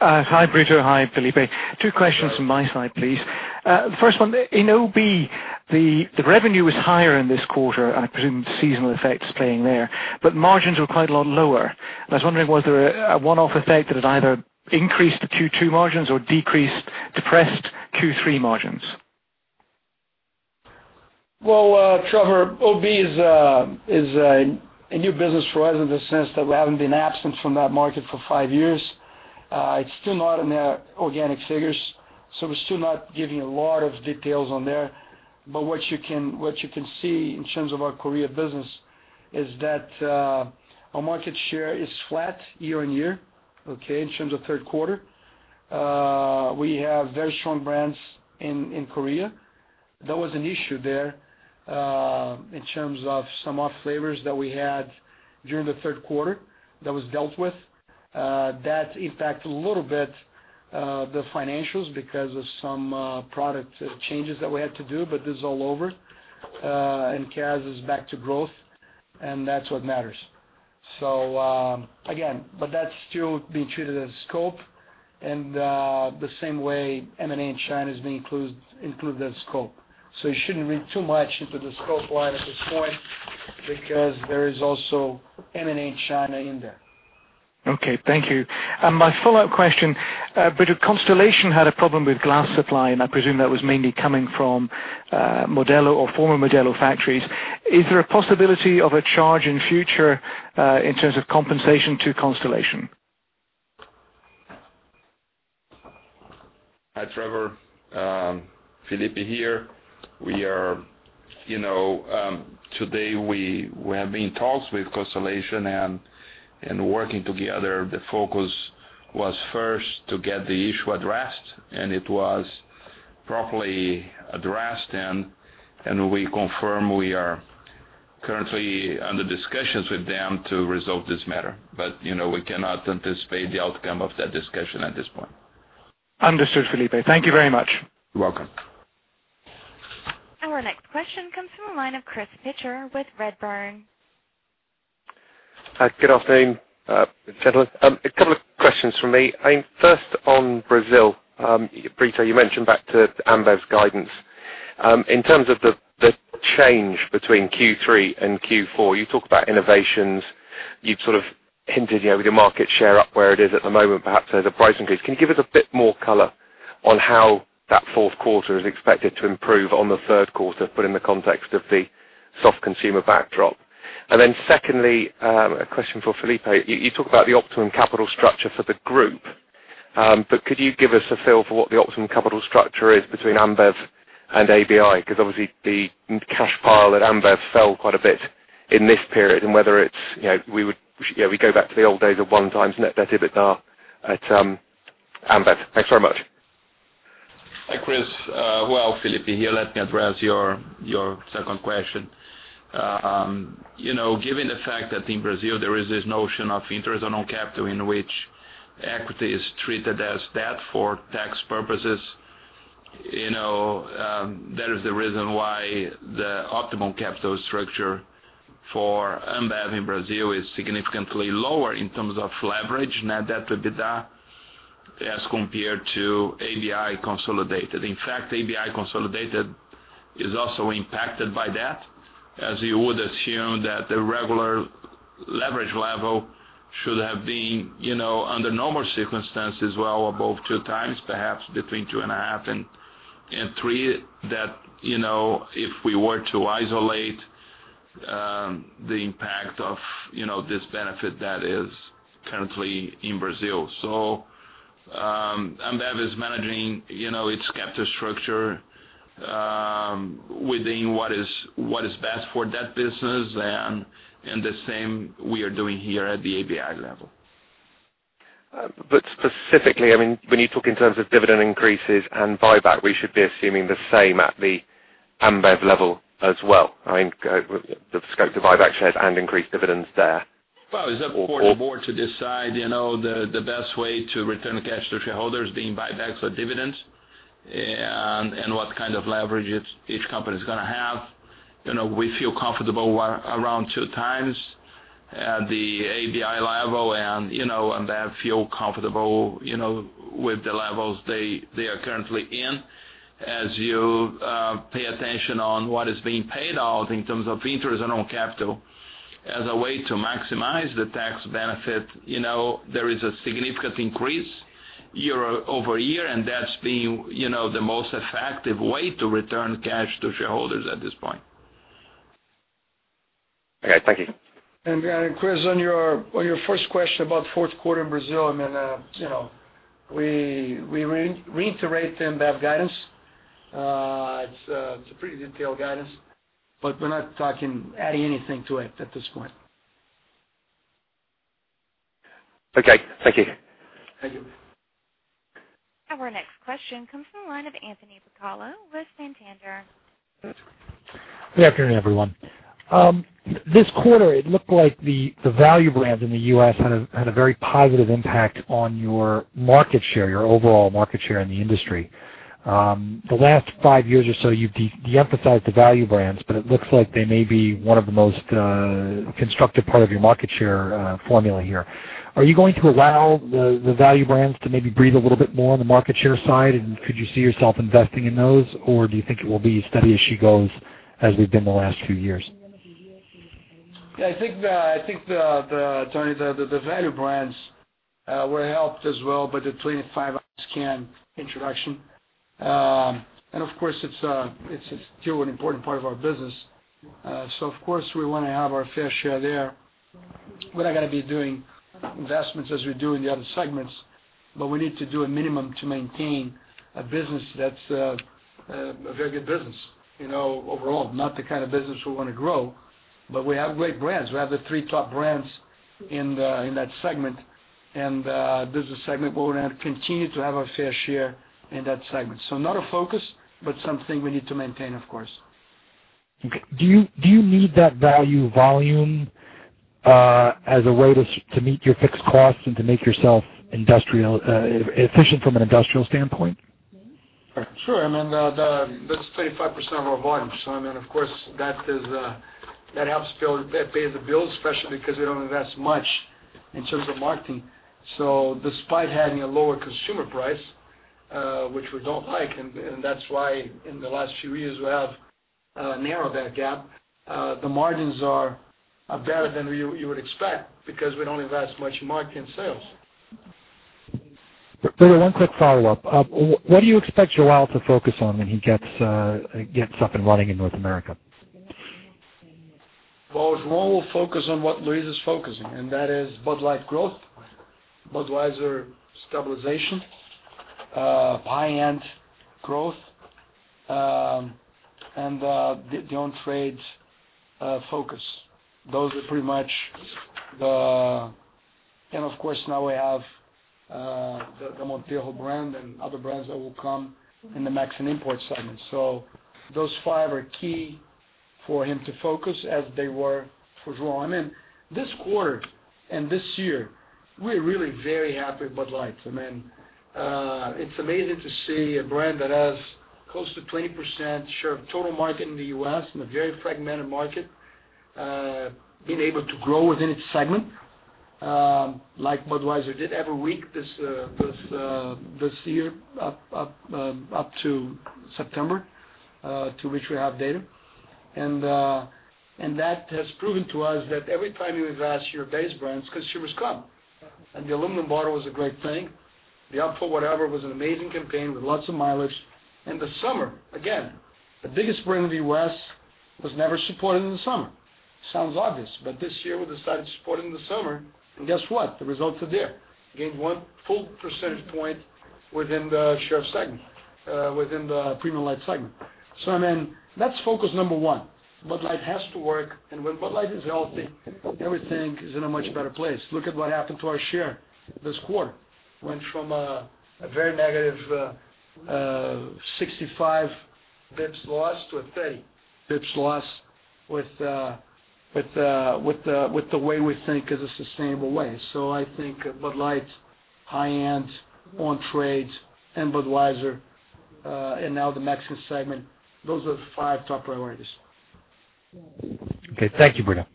Speaker 8: Hi, Brito. Hi, Felipe. Two questions from my side, please. First one, in OB, the revenue was higher in this quarter. I presume the seasonal effect is playing there, but margins were quite a lot lower. I was wondering, was there a one-off effect that had either increased the Q2 margins or decreased, depressed Q3 margins?
Speaker 2: Well, Trevor, OB is a new business for us in the sense that we haven't been absent from that market for five years. It's still not in their organic figures. We're still not giving a lot of details on there. What you can see in terms of our Korea business is that our market share is flat year-on-year, okay, in terms of third quarter. We have very strong brands in Korea. There was an issue there, in terms of some off flavors that we had during the third quarter that was dealt with. That impacted a little bit the financials because of some product changes that we had to do, but this is all over, and Cass is back to growth, and that's what matters. Again, but that's still being treated as scope. The same way M&A in China is being included as scope. You shouldn't read too much into the scope line at this point because there is also M&A in China in there.
Speaker 8: Okay. Thank you. My follow-up question, Brito, Constellation had a problem with glass supply, and I presume that was mainly coming from Modelo or former Modelo factories. Is there a possibility of a charge in future, in terms of compensation to Constellation?
Speaker 3: Hi, Trevor. Felipe here. Today we have been in talks with Constellation and working together. The focus was first to get the issue addressed, and it was properly addressed, and we confirm we are currently under discussions with them to resolve this matter. We cannot anticipate the outcome of that discussion at this point.
Speaker 8: Understood, Felipe. Thank you very much.
Speaker 3: You're welcome.
Speaker 1: Our next question comes from the line of Chris Pitcher with Redburn.
Speaker 9: Hi. Good afternoon, gentlemen. A couple of questions from me. First, on Brazil, Brito, you mentioned back to Ambev's guidance. In terms of the change between Q3 and Q4, you talk about innovations, you've sort of hinted with your market share up where it is at the moment, perhaps there's a price increase. Can you give us a bit more color on how that fourth quarter is expected to improve on the third quarter, put in the context of the soft consumer backdrop? Secondly, a question for Felipe. You talk about the optimum capital structure for the group, could you give us a feel for what the optimum capital structure is between Ambev and AB InBev? Obviously the cash pile at Ambev fell quite a bit in this period, and whether we go back to the old days of 1x net debt EBITDA at Ambev. Thanks very much.
Speaker 3: Hi, Chris. Well, Felipe here. Let me address your second question. Given the fact that in Brazil there is this notion of interest on capital in which equity is treated as debt for tax purposes, that is the reason why the optimum capital structure for Ambev in Brazil is significantly lower in terms of leverage, net debt to EBITDA, as compared to ABI consolidated. In fact, ABI consolidated is also impacted by that, as you would assume that the regular leverage level should have been under normal circumstances, well above two times, perhaps between two and a half and three, if we were to isolate the impact of this benefit that is currently in Brazil. Ambev is managing its capital structure within what is best for that business and the same we are doing here at the ABI level.
Speaker 9: Specifically, when you talk in terms of dividend increases and buyback, we should be assuming the same at the Ambev level as well. The scope to buy back shares and increase dividends there.
Speaker 3: Well, it's up for the board to decide the best way to return cash to shareholders being buybacks or dividends and what kind of leverage each company is going to have. We feel comfortable around two times at the ABI level and Ambev feel comfortable with the levels they are currently in. As you pay attention on what is being paid out in terms of interest on capital as a way to maximize the tax benefit, there is a significant increase year-over-year, and that's been the most effective way to return cash to shareholders at this point.
Speaker 9: Okay, thank you.
Speaker 2: Chris, on your first question about fourth quarter Brazil, we reiterate the Ambev guidance. It's a pretty detailed guidance, but we're not talking adding anything to it at this point.
Speaker 9: Okay. Thank you.
Speaker 2: Thank you.
Speaker 1: Our next question comes from the line of Anthony Bucalo with Santander.
Speaker 10: Good afternoon, everyone. This quarter, it looked like the value brands in the U.S. had a very positive impact on your market share, your overall market share in the industry. The last five years or so, you've de-emphasized the value brands, but it looks like they may be one of the most constructive part of your market share formula here. Are you going to allow the value brands to maybe breathe a little bit more on the market share side? Could you see yourself investing in those, or do you think it will be steady as she goes, as we've been the last few years?
Speaker 2: Yeah, I think, Tony, the value brands were helped as well by the 25-ounce can introduction. Of course, it's still an important part of our business. Of course, we want to have our fair share there. We're not going to be doing investments as we do in the other segments, but we need to do a minimum to maintain a business that's a very good business, overall, not the kind of business we want to grow, but we have great brands. We have the three top brands in that segment. This is a segment where we continue to have our fair share in that segment. Not a focus, but something we need to maintain, of course.
Speaker 10: Okay. Do you need that value volume as a way to meet your fixed costs and to make yourself efficient from an industrial standpoint?
Speaker 2: Sure. That's 35% of our volume. Of course, that helps pay the bills, especially because we don't invest much in terms of marketing. Despite having a lower consumer price, which we don't like, and that's why in the last few years, we have narrowed that gap, the margins are better than you would expect because we don't invest much in market and sales.
Speaker 10: Brito, one quick follow-up. What do you expect João to focus on when he gets up and running in North America?
Speaker 2: Well, João will focus on what Luiz is focusing, that is Bud Light growth, Budweiser stabilization, high-end growth, and the on-trade focus. Those are pretty much the Of course, now we have the Montejo brand and other brands that will come in the Mexican import segment. Those five are key for him to focus, as they were for João. This quarter and this year, we're really very happy with Bud Light. It's amazing to see a brand that has close to 20% share of total market in the U.S., in a very fragmented market, being able to grow within its segment, like Budweiser did every week this year up to September, to which we have data. That has proven to us that every time you invest your base brands, consumers come. The aluminum bottle was a great thing. The Up for Whatever was an amazing campaign with lots of mileage. The summer, again, the biggest brand in the U.S. was never supported in the summer. Sounds obvious, this year we decided to support it in the summer, and guess what? The results are there. Gained one full percentage point within the share segment, within the premium light segment. That's focus number 1. Bud Light has to work, and when Bud Light is healthy, everything is in a much better place. Look at what happened to our share this quarter. Went from a very negative 65 basis points loss to a 30 basis points loss with the way we think is a sustainable way. I think Bud Light, high-end, on-trade, and Budweiser, and now the Mexican segment, those are the five top priorities.
Speaker 10: Okay. Thank you, Brito.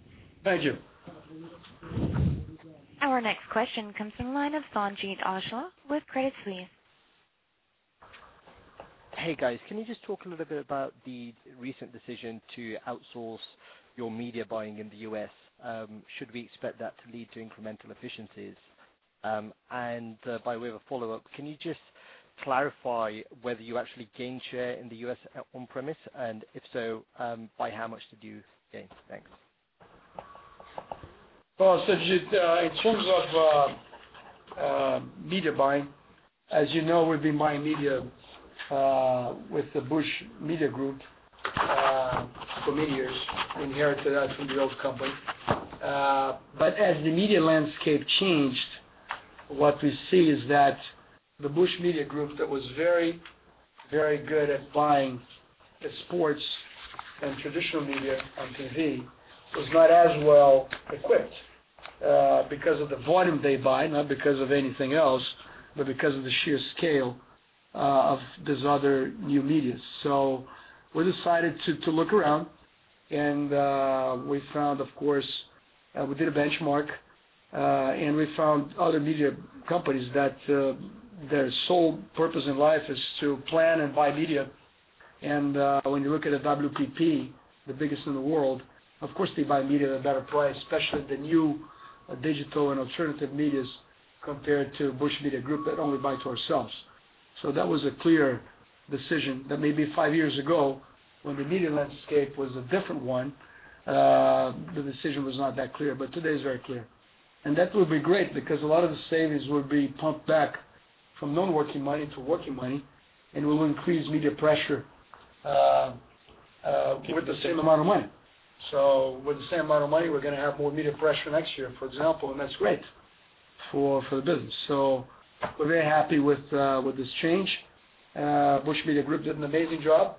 Speaker 2: Thank you.
Speaker 1: Our next question comes from the line of Sanjeet Aujla with Credit Suisse.
Speaker 11: Hey, guys. Can you just talk a little bit about the recent decision to outsource your media buying in the U.S.? Should we expect that to lead to incremental efficiencies? By way of a follow-up, can you just clarify whether you actually gained share in the U.S. on-premise, and if so, by how much did you gain? Thanks.
Speaker 2: Well, Sanjeet, in terms of media buying, as you know, we've been buying media with the Busch Media Group for many years, inherited that from the old company. As the media landscape changed, what we see is that the Busch Media Group, that was very, very good at buying sports and traditional media on TV, was not as well equipped because of the volume they buy, not because of anything else, but because of the sheer scale of these other new medias. We decided to look around, and we did a benchmark, and we found other media companies that their sole purpose in life is to plan and buy media. When you look at a WPP, the biggest in the world, of course, they buy media at a better price, especially the new digital and alternative medias compared to Busch Media Group that only buy to ourselves. That was a clear decision that maybe five years ago, when the media landscape was a different one, the decision was not that clear, today it's very clear. That will be great because a lot of the savings will be pumped back from non-working money to working money, we will increase media pressure with the same amount of money. With the same amount of money, we're going to have more media pressure next year, for example, that's great for the business. We're very happy with this change. Busch Media Group did an amazing job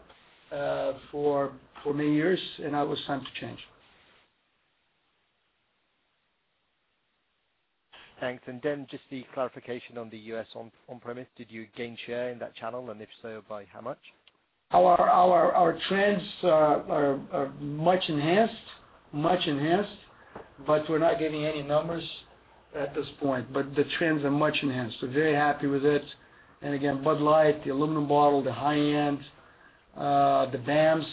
Speaker 2: for many years, now it's time to change.
Speaker 11: Thanks. Just the clarification on the U.S. on-premise, did you gain share in that channel, if so, by how much?
Speaker 2: Our trends are much enhanced. We're not giving any numbers at this point. The trends are much enhanced. We're very happy with it. Again, Bud Light, the aluminum bottle, the high-end, the VAMs,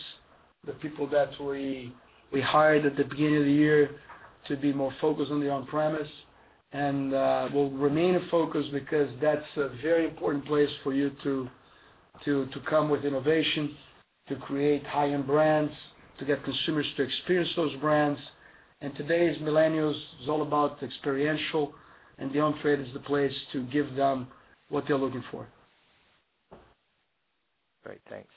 Speaker 2: the people that we hired at the beginning of the year to be more focused on the on-premise, will remain focused because that's a very important place for you to come with innovation, to create high-end brands, to get consumers to experience those brands. Today's millennials is all about experiential, the on-trade is the place to give them what they're looking for.
Speaker 11: Great, thanks.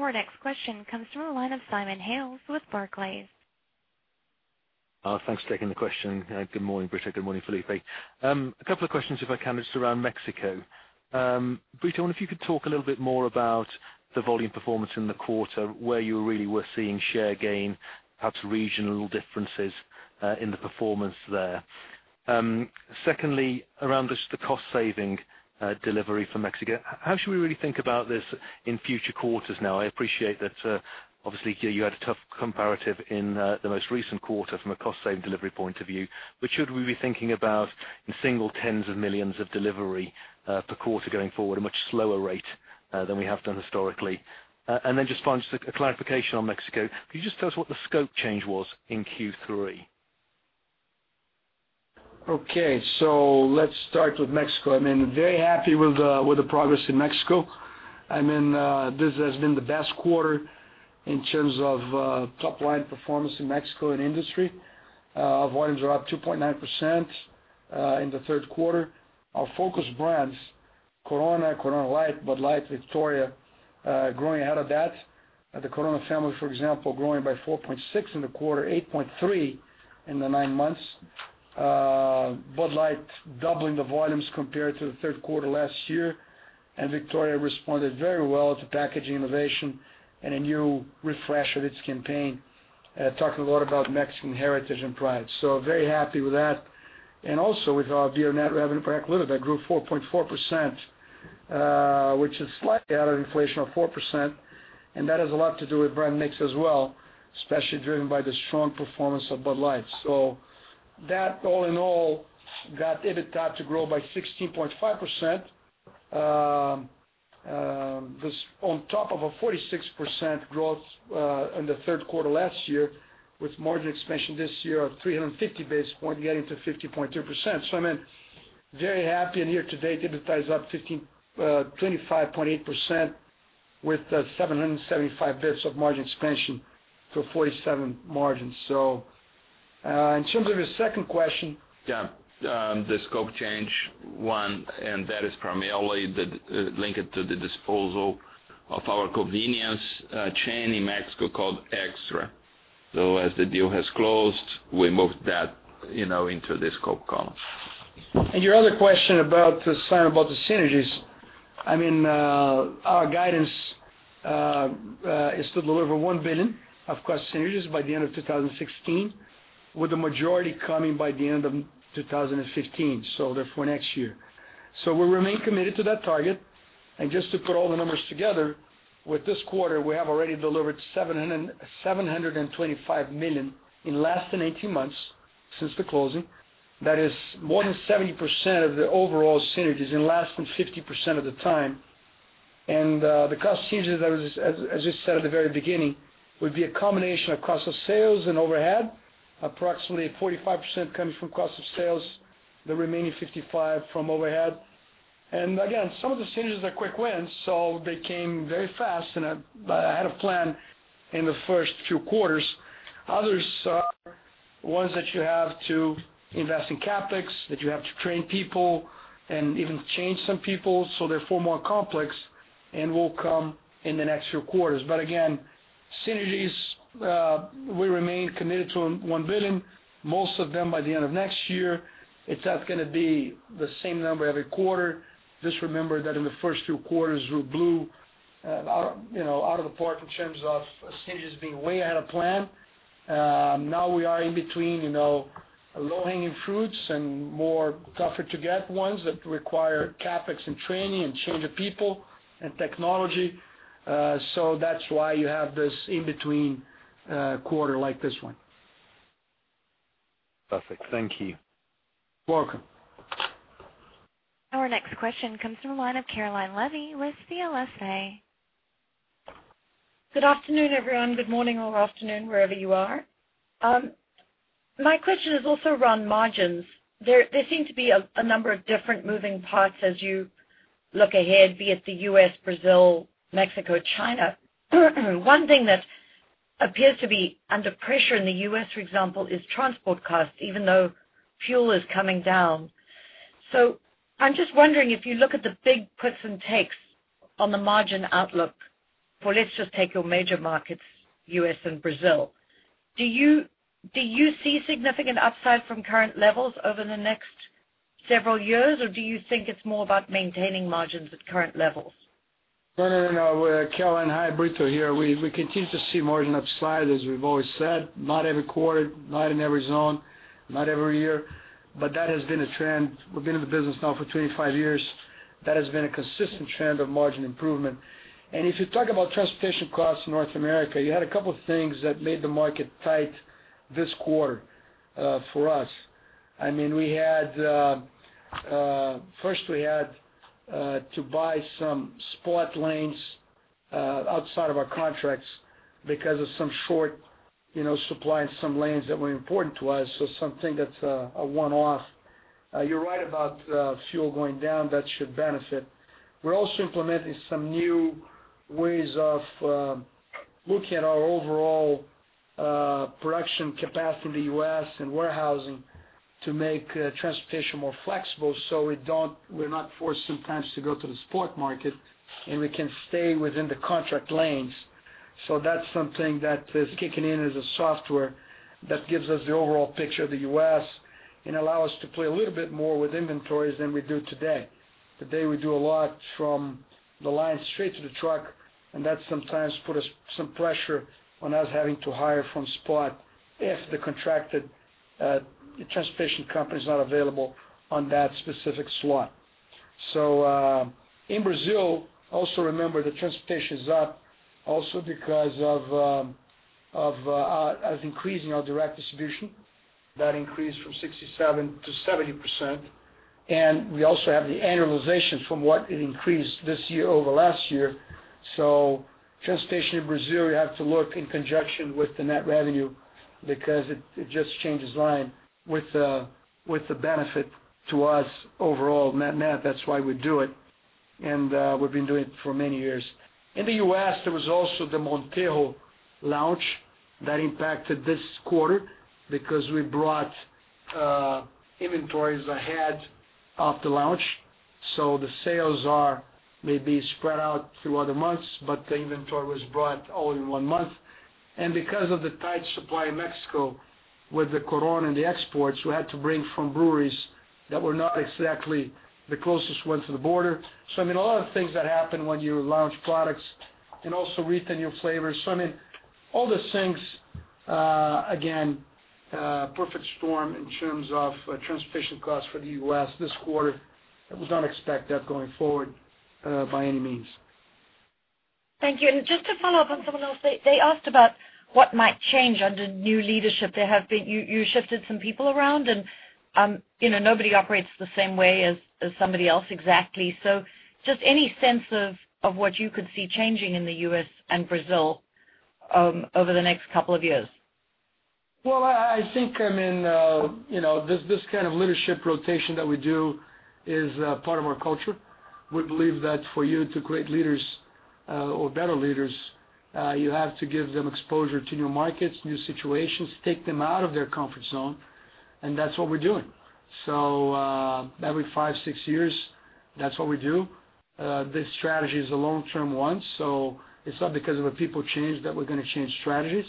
Speaker 1: Our next question comes from the line of Simon Hales with Barclays.
Speaker 12: Thanks for taking the question. Good morning, Brito. Good morning, Felipe. A couple of questions, if I can, just around Mexico. Brito, I wonder if you could talk a little bit more about the volume performance in the quarter, where you really were seeing share gain, perhaps regional differences in the performance there. Secondly, around just the cost-saving delivery for Mexico, how should we really think about this in future quarters now? I appreciate that, obviously, you had a tough comparative in the most recent quarter from a cost-saving delivery point of view, but should we be thinking about in single tens of millions of delivery per quarter going forward, a much slower rate than we have done historically? Then just finally, just a clarification on Mexico. Could you just tell us what the scope change was in Q3?
Speaker 2: Let's start with Mexico. I'm very happy with the progress in Mexico. This has been the best quarter in terms of top-line performance in Mexico and industry. Volumes are up 2.9% in the third quarter. Our focus brands, Corona Light, Bud Light, Victoria, growing ahead of that. The Corona family, for example, growing by 4.6% in the quarter, 8.3% in the nine months. Bud Light doubling the volumes compared to the third quarter last year. Victoria responded very well to packaging innovation and a new refresh of its campaign, talking a lot about Mexican heritage and pride. Very happy with that. Also with our beer net revenue per hectoliter that grew 4.4%, which is slightly out of inflation of 4%, and that has a lot to do with brand mix as well, especially driven by the strong performance of Bud Light. That all in all got EBITDA to grow by 16.5%. This on top of a 46% growth in the third quarter last year with margin expansion this year of 350 basis points getting to 50.2%. I'm very happy. Year to date, EBITDA is up 25.8% with 775 basis points of margin expansion to 47%. In terms of your second question-
Speaker 3: Yeah. The scope change one. That is primarily linked to the disposal of our convenience chain in Mexico called Extra. As the deal has closed, we moved that into the scope column.
Speaker 2: Your other question, Simon, about the synergies. Our guidance is to deliver $1 billion of cost synergies by the end of 2016, with the majority coming by the end of 2015. Therefore, next year. We remain committed to that target. Just to put all the numbers together, with this quarter, we have already delivered $725 million in less than 18 months since the closing. That is more than 70% of the overall synergies in less than 50% of the time. The cost synergies, as I said at the very beginning, would be a combination of cost of sales and overhead. Approximately 45% comes from cost of sales, the remaining 55% from overhead. Again, some of the synergies are quick wins, so they came very fast and ahead of plan in the first few quarters. Others are ones that you have to invest in CapEx, that you have to train people and even change some people. Therefore more complex and will come in the next few quarters. Again, synergies, we remain committed to $1 billion, most of them by the end of next year. It's not going to be the same number every quarter. Just remember that in the first two quarters we were blew out of the park in terms of synergies being way ahead of plan. Now we are in between low-hanging fruits and more tougher-to-get ones that require CapEx and training and change of people and technology. That's why you have this in-between quarter like this one.
Speaker 12: Perfect. Thank you.
Speaker 2: Welcome.
Speaker 1: Our next question comes from the line of Caroline Levy with CLSA.
Speaker 13: Good afternoon, everyone. Good morning or afternoon, wherever you are. My question is also around margins. There seem to be a number of different moving parts as you look ahead, be it the U.S., Brazil, Mexico, China. One thing that appears to be under pressure in the U.S., for example, is transport costs, even though fuel is coming down. I'm just wondering, if you look at the big puts and takes on the margin outlook for, let's just take your major markets, U.S. and Brazil. Do you see significant upside from current levels over the next several years, or do you think it's more about maintaining margins at current levels?
Speaker 2: No, no. Caroline, hi, Brito here. We continue to see margin upside, as we've always said, not every quarter, not in every zone, not every year, but that has been a trend. We've been in the business now for 25 years. That has been a consistent trend of margin improvement. If you talk about transportation costs in North America, you had a couple of things that made the market tight this quarter for us. First, we had to buy some spot lanes outside of our contracts because of some short supply in some lanes that were important to us. Something that's a one-off. You're right about fuel going down. That should benefit. We're also implementing some new ways of looking at our overall production capacity in the U.S. and warehousing to make transportation more flexible, so we're not forced sometimes to go to the spot market, and we can stay within the contract lanes. That's something that is kicking in as a software that gives us the overall picture of the U.S. and allow us to play a little bit more with inventories than we do today. Today, we do a lot from the line straight to the truck, and that sometimes put some pressure on us having to hire from spot if the contracted transportation company is not available on that specific slot. In Brazil, also remember the transportation is up also because of us increasing our direct distribution. That increased from 67% to 70%. We also have the annualization from what it increased this year over last year. Transportation in Brazil, you have to look in conjunction with the net revenue because it just changes line with the benefit to us overall net-net, that's why we do it. We've been doing it for many years. In the U.S., there was also the Montejo launch that impacted this quarter because we brought inventories ahead of the launch. The sales are maybe spread out through other months, but the inventory was brought all in one month. Because of the tight supply in Mexico with the Corona and the exports, we had to bring from breweries that were not exactly the closest ones to the border. A lot of things that happen when you launch products and also retain your flavors. All those things, again, perfect storm in terms of transportation costs for the U.S. this quarter. That was unexpected going forward, by any means.
Speaker 13: Thank you. Just to follow up on someone else, they asked about what might change under new leadership. You shifted some people around, nobody operates the same way as somebody else exactly. Just any sense of what you could see changing in the U.S. and Brazil over the next couple of years?
Speaker 2: I think this kind of leadership rotation that we do is part of our culture. We believe that for you to create leaders or better leaders, you have to give them exposure to new markets, new situations, take them out of their comfort zone, that's what we're doing. Every five, six years, that's what we do. This strategy is a long-term one, it's not because of a people change that we're going to change strategies.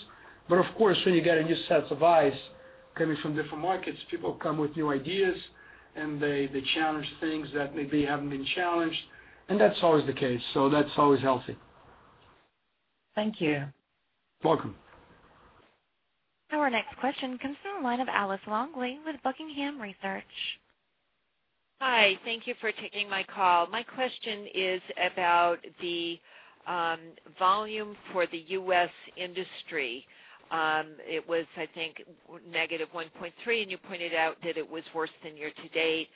Speaker 2: Of course, when you get a new set of eyes coming from different markets, people come with new ideas and they challenge things that maybe haven't been challenged, that's always the case. That's always healthy.
Speaker 13: Thank you.
Speaker 2: Welcome.
Speaker 1: Our next question comes from the line of Alice Longley with Buckingham Research.
Speaker 14: Hi. Thank you for taking my call. My question is about the volume for the U.S. industry. It was, I think, -1.3%, you pointed out that it was worse than year-to-date,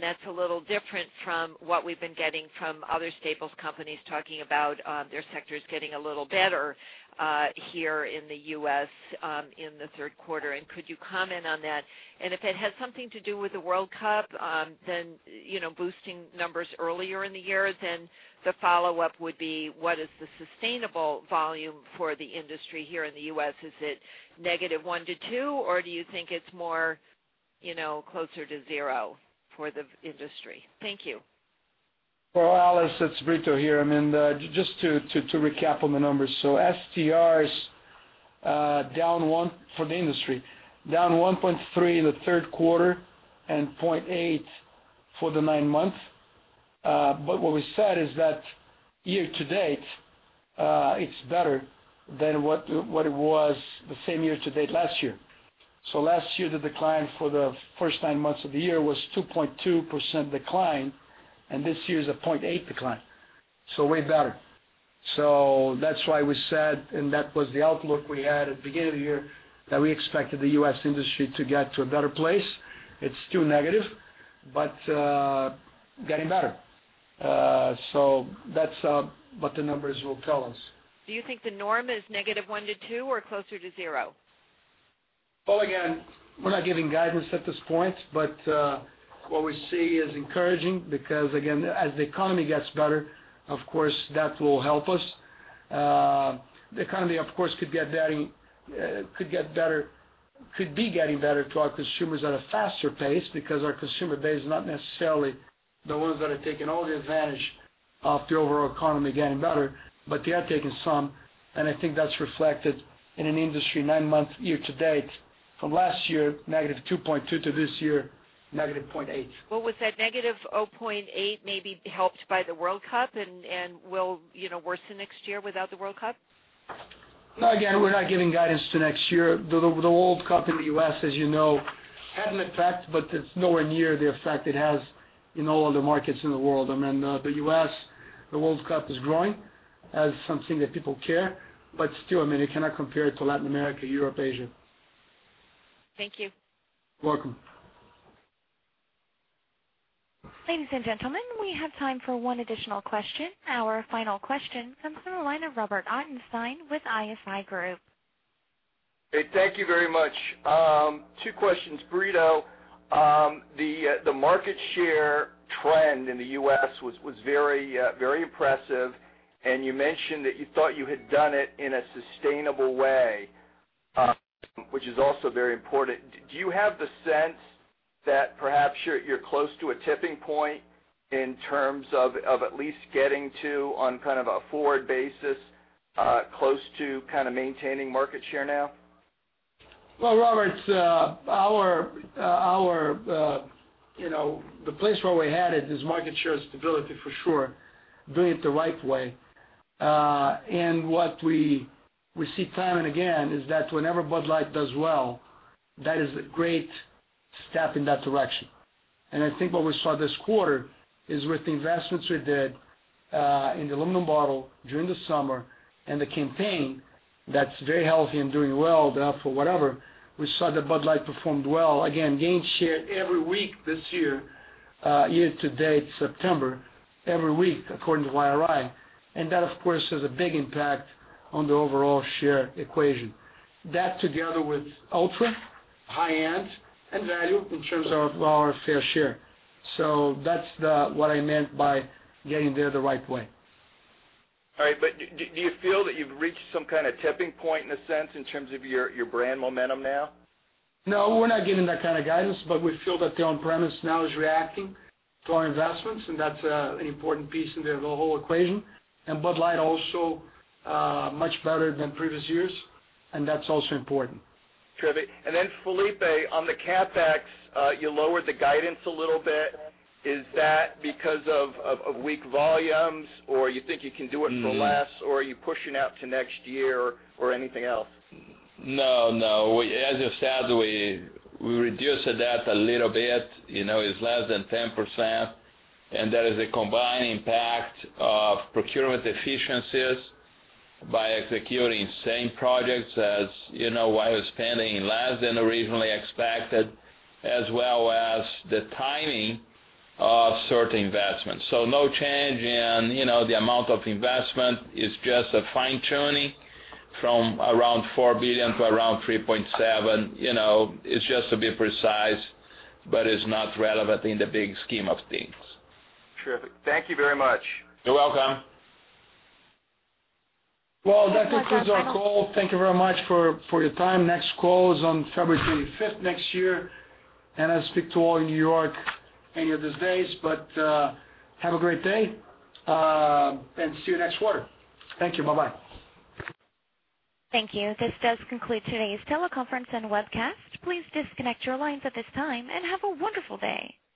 Speaker 14: that's a little different from what we've been getting from other staples companies talking about their sectors getting a little better here in the U.S. in the third quarter, could you comment on that? If it has something to do with the World Cup, boosting numbers earlier in the year, the follow-up would be, what is the sustainable volume for the industry here in the U.S.? Is it -1% to -2%, or do you think it's more closer to 0 for the industry? Thank you.
Speaker 2: Well, Alice, it's Brito here. Just to recap on the numbers. STR is, for the industry, down 1.3% in the third quarter and 0.8% for the nine months. What we said is that year-to-date, it's better than what it was the same year-to-date last year. Last year, the decline for the first nine months of the year was 2.2% decline, this year is a 0.8% decline. Way better. That's why we said, that was the outlook we had at the beginning of the year, that we expected the U.S. industry to get to a better place. It's still negative, getting better. That's what the numbers will tell us.
Speaker 14: Do you think the norm is -1% to 2% or closer to 0%?
Speaker 2: Well, again, we're not giving guidance at this point, but what we see is encouraging because, again, as the economy gets better, of course, that will help us. The economy, of course, could be getting better to our consumers at a faster pace because our consumer base is not necessarily the ones that are taking all the advantage of the overall economy getting better, but they are taking some, and I think that's reflected in an industry nine-month year-to-date from last year, negative 2.2% to this year, negative 0.8%.
Speaker 14: Well, was that negative 0.8% maybe helped by the World Cup and will worsen next year without the World Cup?
Speaker 2: No, again, we're not giving guidance to next year. The World Cup in the U.S., as you know, had an effect, but it's nowhere near the effect it has in all other markets in the world. The U.S., the World Cup is growing as something that people care, but still, you cannot compare it to Latin America, Europe, Asia.
Speaker 14: Thank you.
Speaker 2: Welcome.
Speaker 1: Ladies and gentlemen, we have time for one additional question. Our final question comes from the line of Robert Ottenstein with ISI Group.
Speaker 15: Hey, thank you very much. Two questions. Brito, the market share trend in the U.S. was very impressive, and you mentioned that you thought you had done it in a sustainable way, which is also very important. Do you have the sense that perhaps you're close to a tipping point in terms of at least getting to, on kind of a forward basis, close to kind of maintaining market share now?
Speaker 2: Well, Robert, the place where we're headed is market share stability, for sure, doing it the right way. What we see time and again is that whenever Bud Light does well, that is a great step in that direction. I think what we saw this quarter is with the investments we did, in the aluminum bottle during the summer and the campaign that's very healthy and doing well for whatever, we saw that Bud Light performed well. Again, gained share every week this year-to-date, September, every week according to IRI. That, of course, has a big impact on the overall share equation. That together with ULTRA, high-end, and value in terms of our fair share. That's what I meant by getting there the right way.
Speaker 15: All right. Do you feel that you've reached some kind of tipping point in a sense in terms of your brand momentum now?
Speaker 2: No, we're not giving that kind of guidance, we feel that the on-premise now is reacting to our investments, that's an important piece into the whole equation. Bud Light also, much better than previous years, that's also important.
Speaker 15: Terrific. Felipe, on the CapEx, you lowered the guidance a little bit. Is that because of weak volumes or you think you can do it for less or are you pushing out to next year or anything else?
Speaker 3: No, as you said, we reduced that a little bit, it's less than 10%, that is a combined impact of procurement efficiencies by executing same projects as while spending less than originally expected, as well as the timing of certain investments. No change in the amount of investment. It's just a fine-tuning from around 4 billion to around 3.7 billion. It's just to be precise, it's not relevant in the big scheme of things.
Speaker 15: Terrific. Thank you very much.
Speaker 3: You're welcome.
Speaker 2: Well, that concludes our call. Thank you very much for your time. Next call is on February 25th next year, and I'll speak to all New York any of these days. Have a great day, and see you next quarter. Thank you. Bye-bye.
Speaker 1: Thank you. This does conclude today's teleconference and webcast. Please disconnect your lines at this time and have a wonderful day.